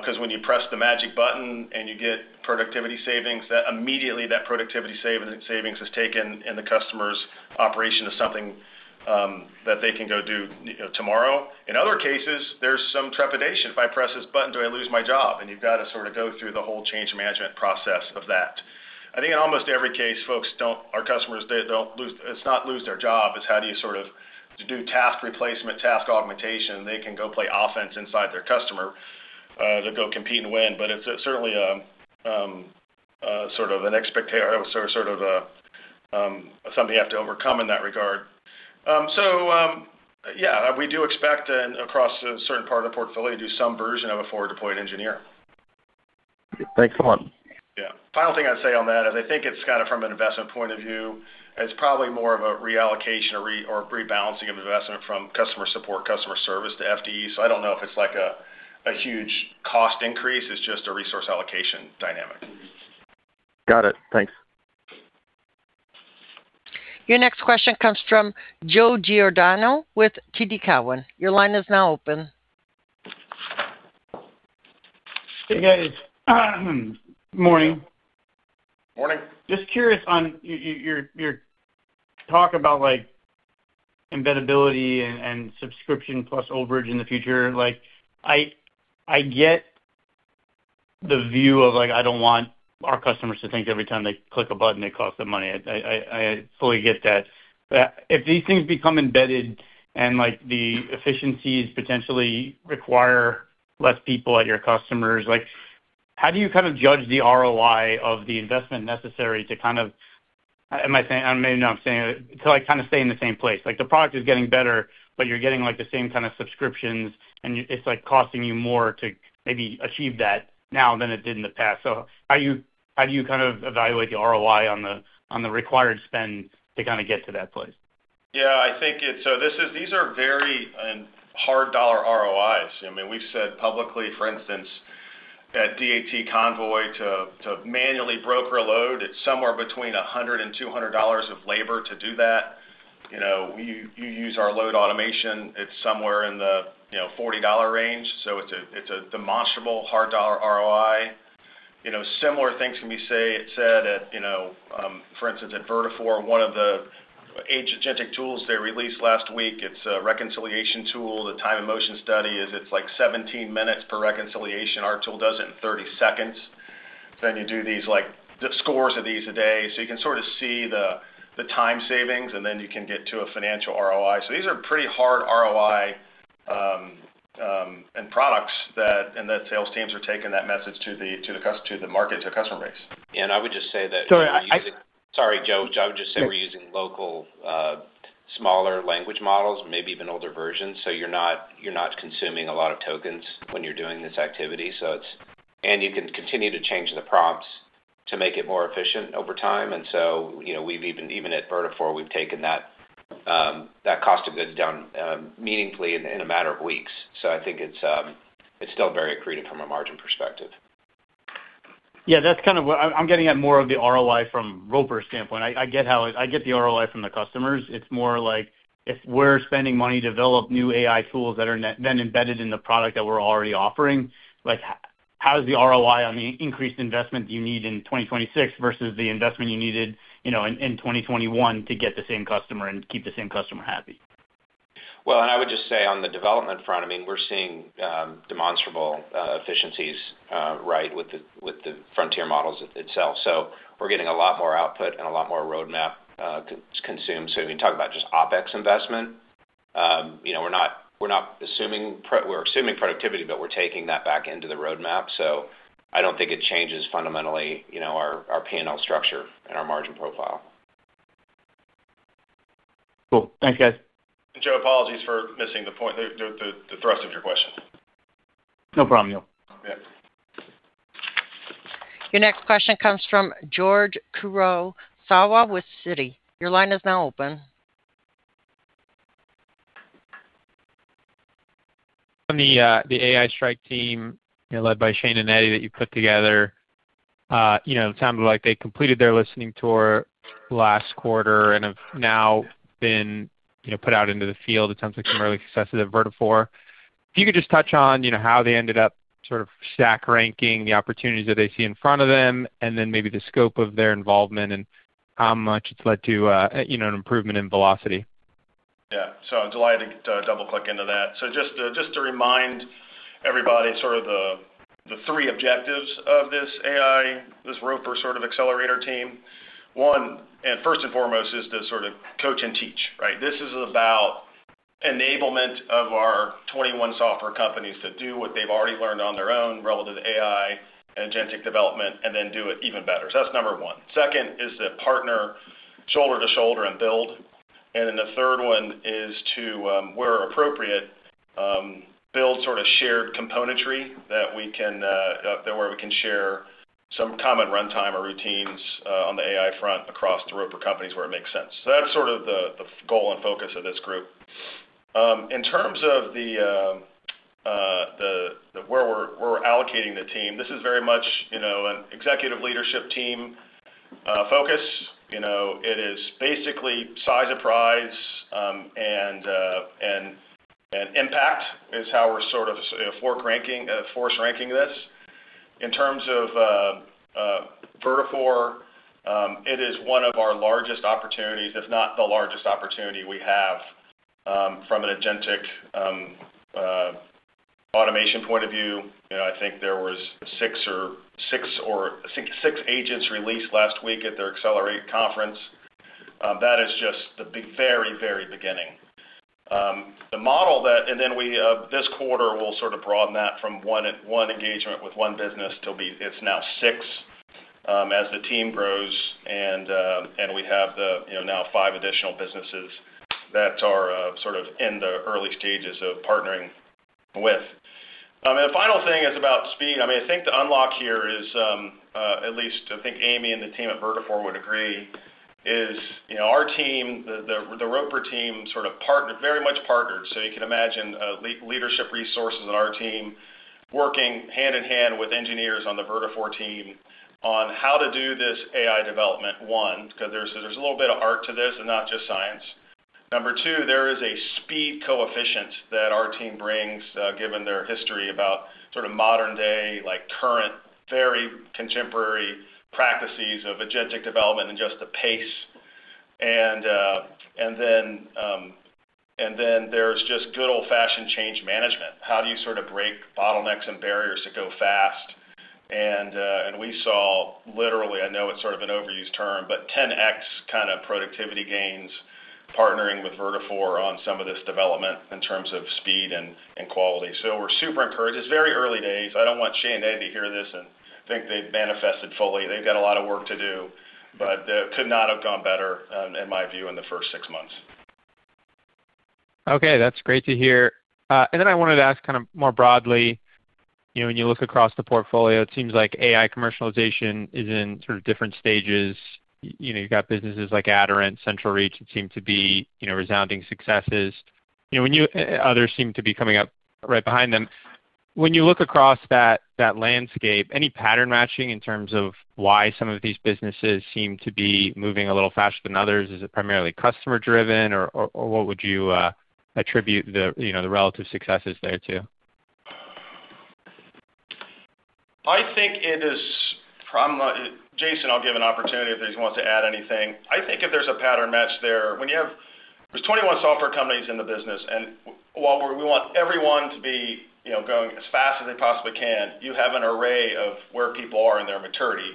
Because when you press the magic button and you get productivity savings, immediately that productivity savings is taken in the customer's operation as something that they can go do tomorrow. In other cases, there's some trepidation. If I press this button, do I lose my job? You've got to sort of go through the whole change management process of that. I think in almost every case, our customers, it's not lose their job, it's how do you sort of do task replacement, task augmentation. They can go play offense inside their customer to go compete and win. It's certainly sort of something you have to overcome in that regard. Yeah, we do expect across a certain part of the portfolio to do some version of a forward deployed engineer. Thanks so much. Yeah. Final thing I'd say on that is I think it's kind of from an investment point of view, it's probably more of a reallocation or rebalancing of investment from customer support, customer service to FDE. I don't know if it's a huge cost increase, it's just a resource allocation dynamic. Got it. Thanks. Your next question comes from Joe Giordano with TD Cowen. Your line is now open. Hey, guys. Morning. Morning. Just curious on your talk about embeddability and subscription plus overage in the future. I get the view of, I don't want our customers to think every time they click a button it costs them money. I fully get that. But if these things become embedded and the efficiencies potentially require less people at your customers, how do you kind of judge the ROI of the investment necessary to kind of, maybe not saying, to stay in the same place? The product is getting better, but you're getting the same kind of subscriptions, and it's costing you more to maybe achieve that now than it did in the past. So how do you kind of evaluate the ROI on the required spend to get to that place? Yeah, these are very hard dollar ROIs. We've said publicly, for instance, at DAT Convoy to manually broker a load, it's somewhere between $100-$200 of labor to do that. You use our load automation, it's somewhere in the $40 range. It's a demonstrable hard dollar ROI. Similar things can be said at, for instance, at Vertafore, one of the agentic tools they released last week, it's a reconciliation tool. The time and motion study is it's 17 minutes per reconciliation. Our tool does it in 30 seconds. Then you do these scores of these a day. You can sort of see the time savings, and then you can get to a financial ROI. These are pretty hard ROI in products, and the sales teams are taking that message to the market, to customer base. I would just say that. Sorry, I. Sorry, Joe. Joe, I would just say we're using local, smaller language models, maybe even older versions. You're not consuming a lot of tokens when you're doing this activity. You can continue to change the prompts to make it more efficient over time. Even at Vertafore, we've taken that cost of goods down meaningfully in a matter of weeks. I think it's still very accretive from a margin perspective. Yeah, I'm getting at more of the ROI from Roper standpoint. I get the ROI from the customers. It's more like if we're spending money to develop new AI tools that are then embedded in the product that we're already offering, how is the ROI on the increased investment you need in 2026 versus the investment you needed in 2021 to get the same customer and keep the same customer happy? Well, I would just say on the development front, we're seeing demonstrable efficiencies, with the frontier models itself. We're getting a lot more output and a lot more roadmap consumed. When you talk about just OpEx investment, we're assuming productivity, but we're taking that back into the roadmap. I don't think it changes fundamentally our P&L structure and our margin profile. Cool. Thanks, guys. Joe, apologies for missing the thrust of your question. No problem, Neil. Yeah. Your next question comes from George Kurosawa with Citi. Your line is now open. On the AI strike team led by Shane and Eddie that you put together, it sounded like they completed their listening tour last quarter and have now been put out into the field. It sounds like some early successes at Vertafore. If you could just touch on how they ended up sort of stack ranking the opportunities that they see in front of them, and then maybe the scope of their involvement and how much it's led to an improvement in velocity. Yeah. I'm delighted to double-click into that. Just to remind everybody sort of the three objectives of this AI, this Roper sort of accelerator team. One, and first and foremost, is to sort of coach and teach, right? This is about enablement of our 21 software companies to do what they've already learned on their own relative to AI and agentic development, and then do it even better. That's number one. Second is to partner shoulder to shoulder and build. The third one is to, where appropriate, build sort of shared componentry where we can share some common runtime or routines on the AI front across the Roper companies where it makes sense. That's sort of the goal and focus of this group. In terms of where we're allocating the team, this is very much an executive leadership team focus. It is basically size of prize and impact is how we're sort of force ranking this. In terms of Vertafore, it is one of our largest opportunities, if not the largest opportunity we have from an agentic automation point of view. I think there was six agents released last week at their Accelerate conference. That is just the very, very beginning. Then this quarter, we'll sort of broaden that from one engagement with one business to it's now six. As the team grows and we have the now five additional businesses that are sort of in the early stages of partnering with. The final thing is about speed. I think the unlock here is, at least I think Amy and the team at Vertafore would agree, is our team, the Roper team, sort of very much partnered. You can imagine leadership resources on our team working hand-in-hand with engineers on the Vertafore team on how to do this AI development, one, because there's a little bit of art to this and not just science. Number two, there is a speed coefficient that our team brings, given their history about sort of modern day, current, very contemporary practices of agentic development and just the pace. Then there's just good old-fashioned change management. How do you sort of break bottlenecks and barriers to go fast? We saw literally, I know it's sort of an overused term, but 10X kind of productivity gains partnering with Vertafore on some of this development in terms of speed and quality. We're super encouraged. It's very early days. I don't want Shane and Eddie to hear this and think they've manifested fully. They've got a lot of work to do, but could not have gone better, in my view, in the first 6 months. Okay, that's great to hear. I wanted to ask kind of more broadly, when you look across the portfolio, it seems like AI commercialization is in sort of different stages. You've got businesses like Aderant, CentralReach that seem to be resounding successes. Others seem to be coming up right behind them. When you look across that landscape, any pattern matching in terms of why some of these businesses seem to be moving a little faster than others? Is it primarily customer driven or what would you attribute the relative successes there to? I think it is. Jason, I'll give an opportunity if he wants to add anything. I think if there's a pattern match there's 21 software companies in the business, and while we want everyone to be going as fast as they possibly can, you have an array of where people are in their maturity.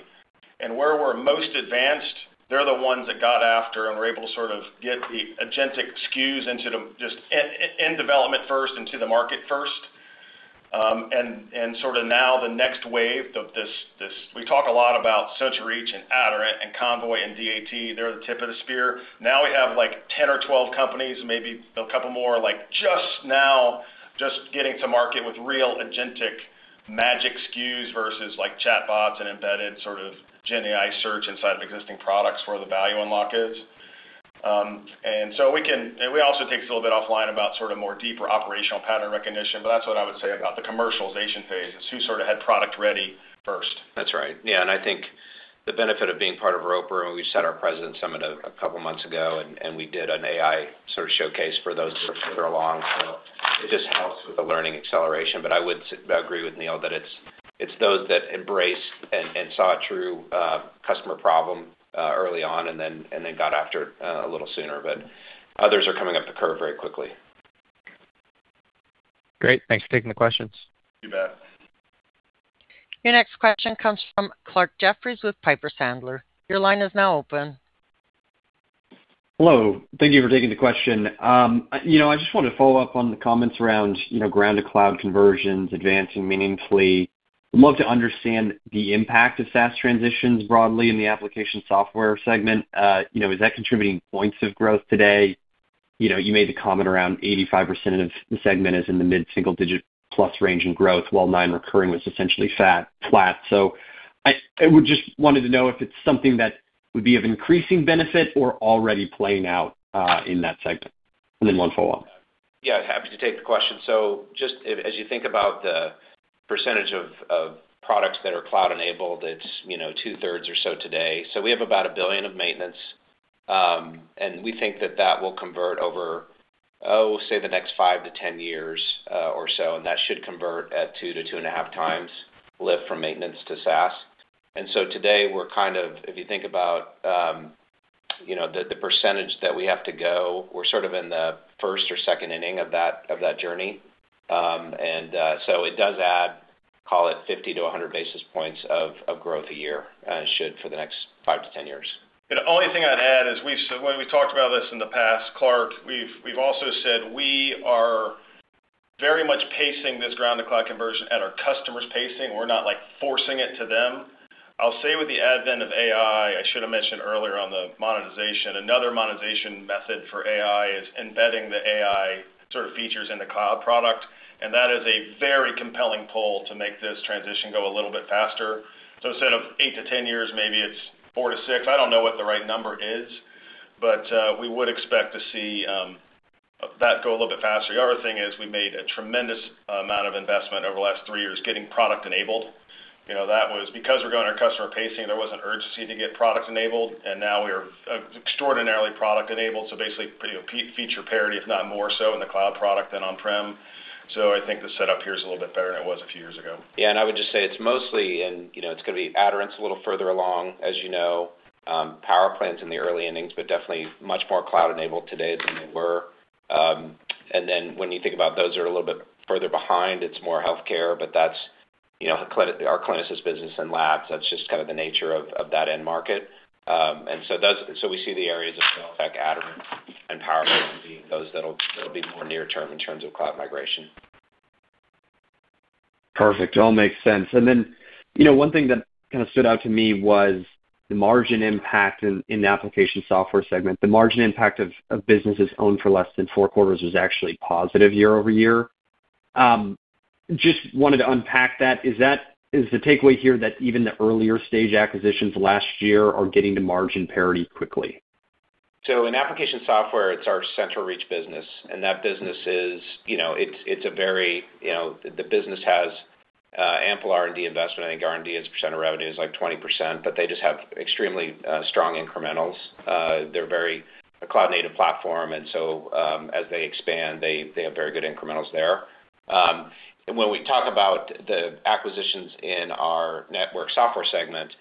Where we're most advanced, they're the ones that got after and were able to sort of get the agentic SKUs in development first, into the market first. Sort of now the next wave of this, we talk a lot about CentralReach and Aderant and Convoy and DAT. They're the tip of the spear. Now we have 10 or 12 companies, maybe a couple more just now, just getting to market with real agentic magic SKUs versus like chatbots and embedded sort of GenAI search inside of existing products where the value unlock is. We also take this a little bit offline about sort of more deeper operational pattern recognition, but that's what I would say about the commercialization phase, is who sort of had product ready first. That's right. Yeah, I think the benefit of being part of Roper. We set our president summit a couple of months ago, and we did an AI sort of showcase for those that are along. It just helps with the learning acceleration. I would agree with Neil that it's those that embrace and saw a true customer problem early on and then got after it a little sooner, but others are coming up the curve very quickly. Great. Thanks for taking the questions. You bet. Your next question comes from Clarke Jeffries with Piper Sandler. Your line is now open. Hello. Thank you for taking the question. I just want to follow up on the comments around ground-to-cloud conversions advancing meaningfully. I'd love to understand the impact of SaaS transitions broadly in the application software segment. Is that contributing points of growth today? You made the comment around 85% of the segment is in the mid-single digit plus range in growth, while non-recurring was essentially flat. I would just wanted to know if it's something that would be of increasing benefit or already playing out in that segment. And then one follow-up. Yeah, happy to take the question. Just as you think about the percentage of products that are cloud-enabled, it's 2/3 or so today. We have about $1 billion of maintenance, and we think that will convert over, oh, say the next 5-10 years or so, and that should convert at 2x-2.5x lift from maintenance to SaaS. Today, if you think about the percentage that we have to go, we're sort of in the first or second inning of that journey. It does add, call it 50-100 basis points of growth a year, and it should for the next 5-10 years. The only thing I'd add is we've said, when we talked about this in the past, Clarke, we've also said we are very much pacing this ground-to-cloud conversion at our customers' pacing. We're not like forcing it to them. I'll say with the advent of AI, I should have mentioned earlier on the monetization, another monetization method for AI is embedding the AI sort of features in the cloud product. That is a very compelling pull to make this transition go a little bit faster. Instead of 8-10 years, maybe it's 4-6. I don't know what the right number is, but we would expect to see that go a little bit faster. The other thing is we made a tremendous amount of investment over the last 3 years getting product enabled. That was because we're going our customer pacing, there was an urgency to get product enabled, and now we are extraordinarily product enabled. Basically feature parity, if not more so in the cloud product than on-prem. I think the setup here is a little bit better than it was a few years ago. Yeah, I would just say it's mostly in, it's going to be Aderant's a little further along, as you know. PowerPlan's in the early innings, but definitely much more cloud-enabled today than they were. When you think about those that are a little bit further behind, it's more healthcare, but that's our Clinisys business and labs. That's just kind of the nature of that end market. We see the areas of LegalTech, Aderant, and PowerPlan being those that'll be more near term in terms of cloud migration. Perfect. All makes sense. One thing that stood out to me was the margin impact in the application software segment. The margin impact of businesses owned for less than four quarters was actually positive year-over-year. Just wanted to unpack that. Is the takeaway here that even the earlier stage acquisitions last year are getting to margin parity quickly? In application software, it's our CentralReach business. That business has ample R&D investment. I think R&D as a percent of revenue is like 20%, but they just have extremely strong incrementals. They're a very cloud-native platform, and so as they expand, they have very good incrementals there. When we talk about the acquisitions in our Network Software segment,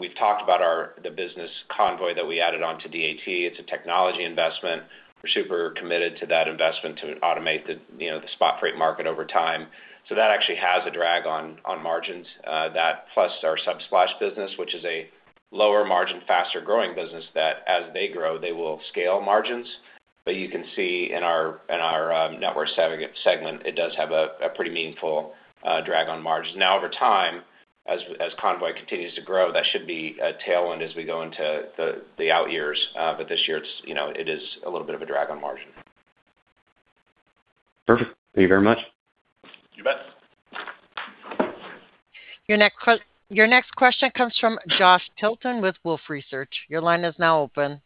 we've talked about the business Convoy that we added on to DAT. It's a technology investment. We're super committed to that investment to automate the spot freight market over time. That actually has a drag on margins. That, plus our Subsplash business, which is a lower margin, faster growing business, that as they grow, they will scale margins. You can see in our Network Software segment, it does have a pretty meaningful drag on margins. Now over time, as Convoy continues to grow, that should be a tailwind as we go into the out years. This year it is a little bit of a drag on margin. Perfect. Thank you very much. You bet. Your next question comes from Josh Tilton with Wolfe Research. Your line is now open.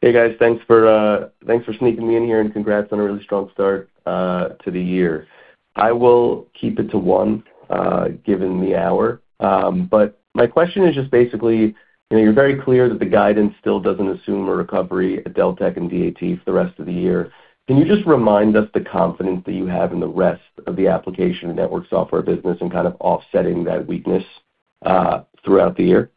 Hey, guys. Thanks for sneaking me in here, and congrats on a really strong start to the year. I will keep it to one given the hour. My question is just basically, you're very clear that the guidance still doesn't assume a recovery at Deltek and DAT for the rest of the year. Can you just remind us the confidence that you have in the rest of the application and network software business and kind of offsetting that weakness throughout the year?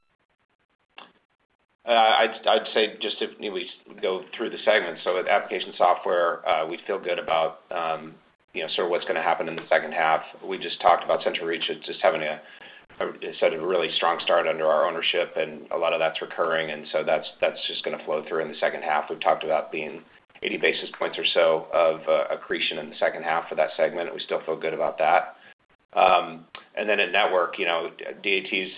I'd say just if we go through the segments. With application software, we feel good about sort of what's going to happen in the second half. We just talked about CentralReach. It's just having a really strong start under our ownership, and a lot of that's recurring, and so that's just going to flow through in the second half. We've talked about being 80 basis points or so of accretion in the second half for that segment. We still feel good about that. In network, DAT's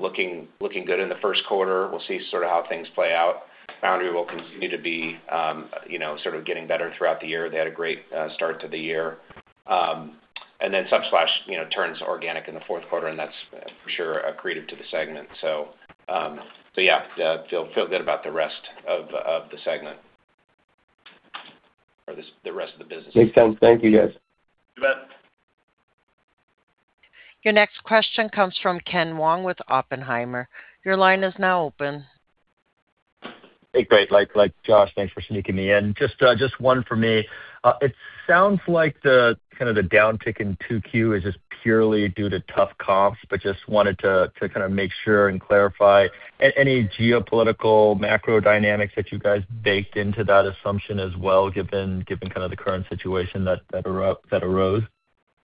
looking good in the first quarter. We'll see sort of how things play out. Foundry will continue to be sort of getting better throughout the year. They had a great start to the year. Subsplash turns organic in the fourth quarter, and that's for sure accretive to the segment. Yeah, feel good about the rest of the segment, or the rest of the business. Makes sense. Thank you, guys. You bet. Your next question comes from Ken Wong with Oppenheimer. Your line is now open. Hey, great. Like Josh, thanks for sneaking me in. Just one from me. It sounds like the downtick in 2Q is just purely due to tough comps, but just wanted to kind of make sure and clarify any geopolitical macro dynamics that you guys baked into that assumption as well, given kind of the current situation that arose?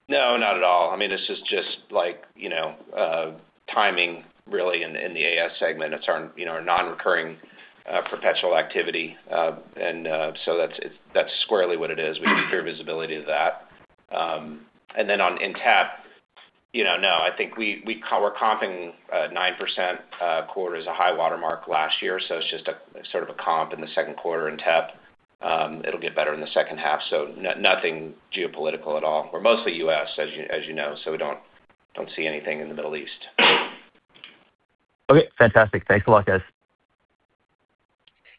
No, not at all. This is just timing really in the AS segment. It's our non-recurring perpetual activity. That's squarely what it is. We have clear visibility of that. In TEP, no. I think we're comping 9% quarter as a high water mark last year. It's just a sort of a comp in the second quarter in TEP. It'll get better in the second half. Nothing geopolitical at all. We're mostly U.S., as you know, so we don't see anything in the Middle East. Okay, fantastic. Thanks a lot, guys.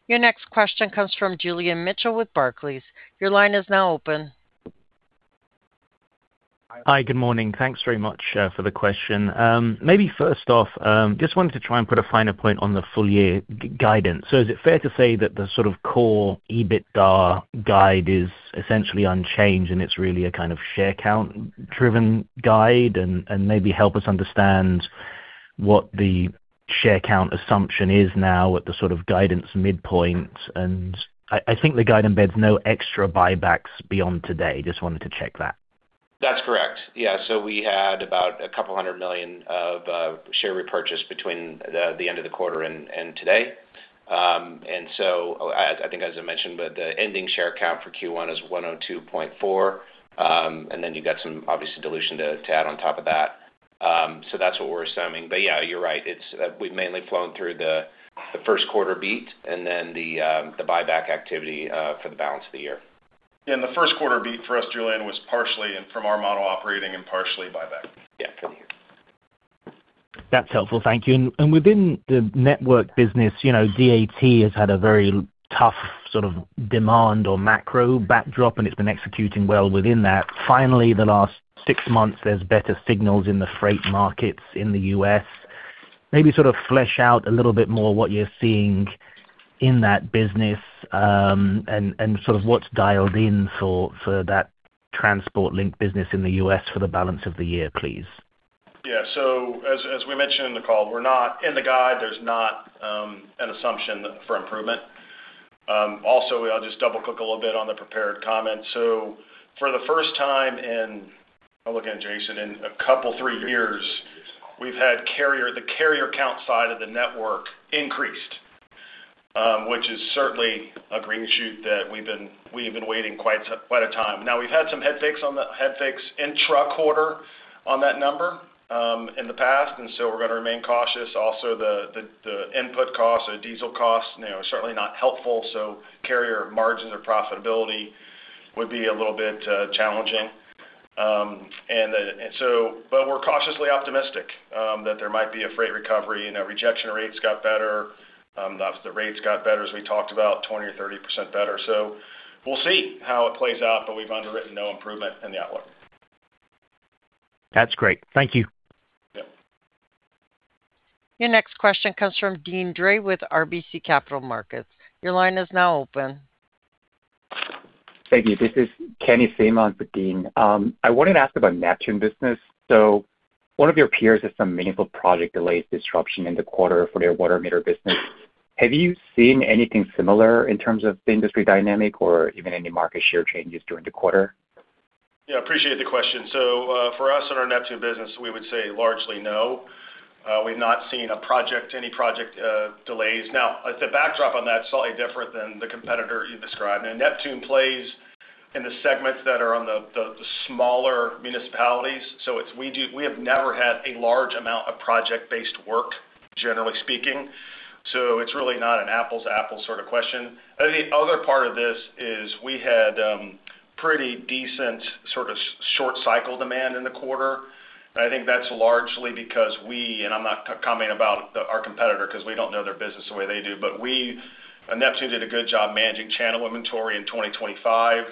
Your next question comes from Julian Mitchell with Barclays. Your line is now open. Hi. Good morning. Thanks very much for the question. Maybe first off, just wanted to try and put a finer point on the full year guidance. Is it fair to say that the sort of core EBITDA guide is essentially unchanged and it's really a kind of share count-driven guide? Maybe help us understand what the share count assumption is now at the sort of guidance midpoint. I think the guide embeds no extra buybacks beyond today. Just wanted to check that. That's correct. Yeah. We had about $200 million of share repurchase between the end of the quarter and today. I think as I mentioned, but the ending share count for Q1 is 102.4, and then you've got some obviously dilution to add on top of that. That's what we're assuming. Yeah, you're right. We've mainly flown through the first quarter beat and then the buyback activity for the balance of the year. Yeah, the first quarter beat for us, Julian, was partially from our operating model and partially from buyback. Yeah. That's helpful. Thank you. Within the network business, DAT has had a very tough sort of demand or macro backdrop, and it's been executing well within that. Finally, the last 6 months, there's better signals in the freight markets in the U.S. Maybe sort of flesh out a little bit more what you're seeing in that business, and sort of what's dialed in for that transport link business in the U.S. for the balance of the year, please. Yeah. As we mentioned in the call, in the guide, there's not an assumption for improvement. Also I'll just double-click a little bit on the prepared comment. For the first time in, I'll look at Jason, in a couple, 3 years, we've had the carrier count side of the network increased. Which is certainly a green shoot that we've been waiting quite a time. Now we've had some head fakes intra-quarter on that number in the past, and so we're going to remain cautious. Also, the input costs or diesel costs, certainly not helpful, so carrier margins or profitability would be a little bit challenging. We're cautiously optimistic that there might be a freight recovery. Rejection rates got better. The rates got better, as we talked about, 20% or 30% better. We'll see how it plays out, but we've underwritten no improvement in the outlook. That's great. Thank you. Your next question comes from Deane Dray with RBC Capital Markets. Your line is now open. Thank you. This is Kenny [Sim] for Deane. I wanted to ask about Neptune business. One of your peers has some meaningful project delays disruption in the quarter for their water meter business. Have you seen anything similar in terms of industry dynamic or even any market share changes during the quarter? Yeah, appreciate the question. For us in our Neptune business, we would say largely, no. We've not seen any project delays. Now, the backdrop on that's slightly different than the competitor you described. Now, Neptune plays in the segments that are on the smaller municipalities. We have never had a large amount of project-based work, generally speaking. It's really not an apples to apples sort of question. The other part of this is we had pretty decent sort of short cycle demand in the quarter. I think that's largely because we, and I'm not commenting about our competitor because we don't know their business the way they do, but we and Neptune did a good job managing channel inventory in 2025.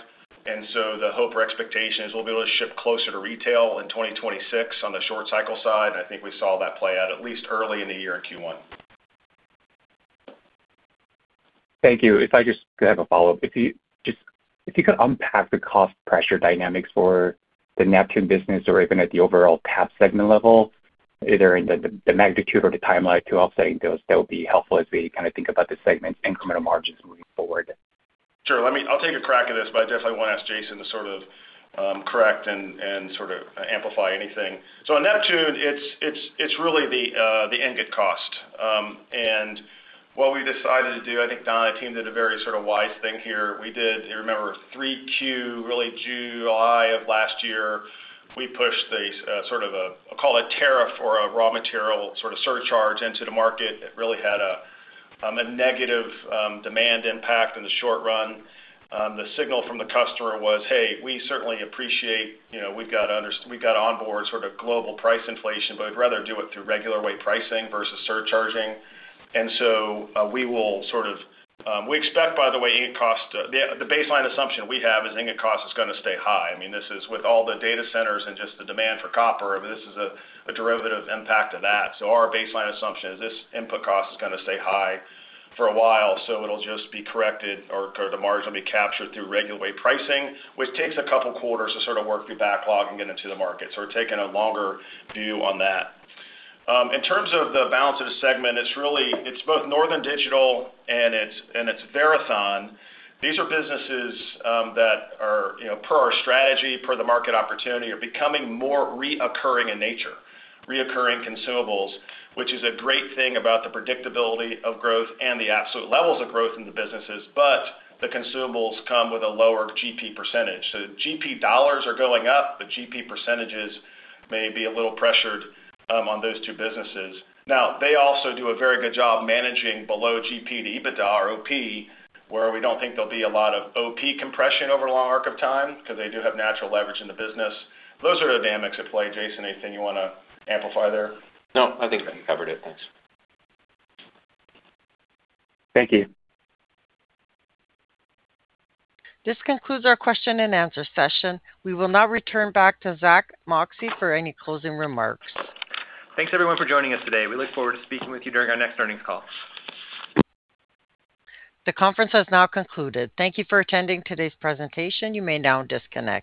The hope or expectation is we'll be able to ship closer to retail in 2026 on the short cycle side. I think we saw that play out at least early in the year in Q1. Thank you. If I just could have a follow-up, if you could unpack the cost pressure dynamics for the Neptune business or even at the overall TEP segment level, either in the magnitude or the timeline to offsetting those, that would be helpful as we kind of think about the segment incremental margins moving forward. Sure. I'll take a crack at this, but I definitely want to ask Jason to sort of correct and sort of amplify anything. On Neptune, it's really the ingot cost. What we decided to do, I think Don and team did a very sort of wise thing here. We did, you remember 3Q, really July of last year, we pushed the sort of call it tariff or a raw material sort of surcharge into the market that really had a negative demand impact in the short run. The signal from the customer was, "Hey, we certainly appreciate, we've got onboard sort of global price inflation, but we'd rather do it through regular way pricing versus surcharging." We expect, by the way, ingot cost. The baseline assumption we have is ingot cost is going to stay high. I mean, this is with all the data centers and just the demand for copper. This is a derivative impact of that. Our baseline assumption is this input cost is going to stay high for a while, so it'll just be corrected or the margin will be captured through regular way pricing, which takes a couple of quarters to sort of work through backlog and get into the market. We're taking a longer view on that. In terms of the balance of the segment, it's both Northern Digital and it's Verathon. These are businesses that are, per our strategy, per the market opportunity, are becoming more recurring in nature, recurring consumables, which is a great thing about the predictability of growth and the absolute levels of growth in the businesses, but the consumables come with a lower GP percentage. GP dollars are going up, but GP percentages may be a little pressured on those two businesses. Now, they also do a very good job managing below GP to EBITDA or OP, where we don't think there'll be a lot of OP compression over a long arc of time because they do have natural leverage in the business. Those are the dynamics at play. Jason, anything you want to amplify there? No, I think you covered it. Thanks. Thank you. This concludes our question and answer session. We will now return back to Zack Moxcey for any closing remarks. Thanks, everyone, for joining us today. We look forward to speaking with you during our next earnings call. The conference has now concluded. Thank you for attending today's presentation. You may now disconnect.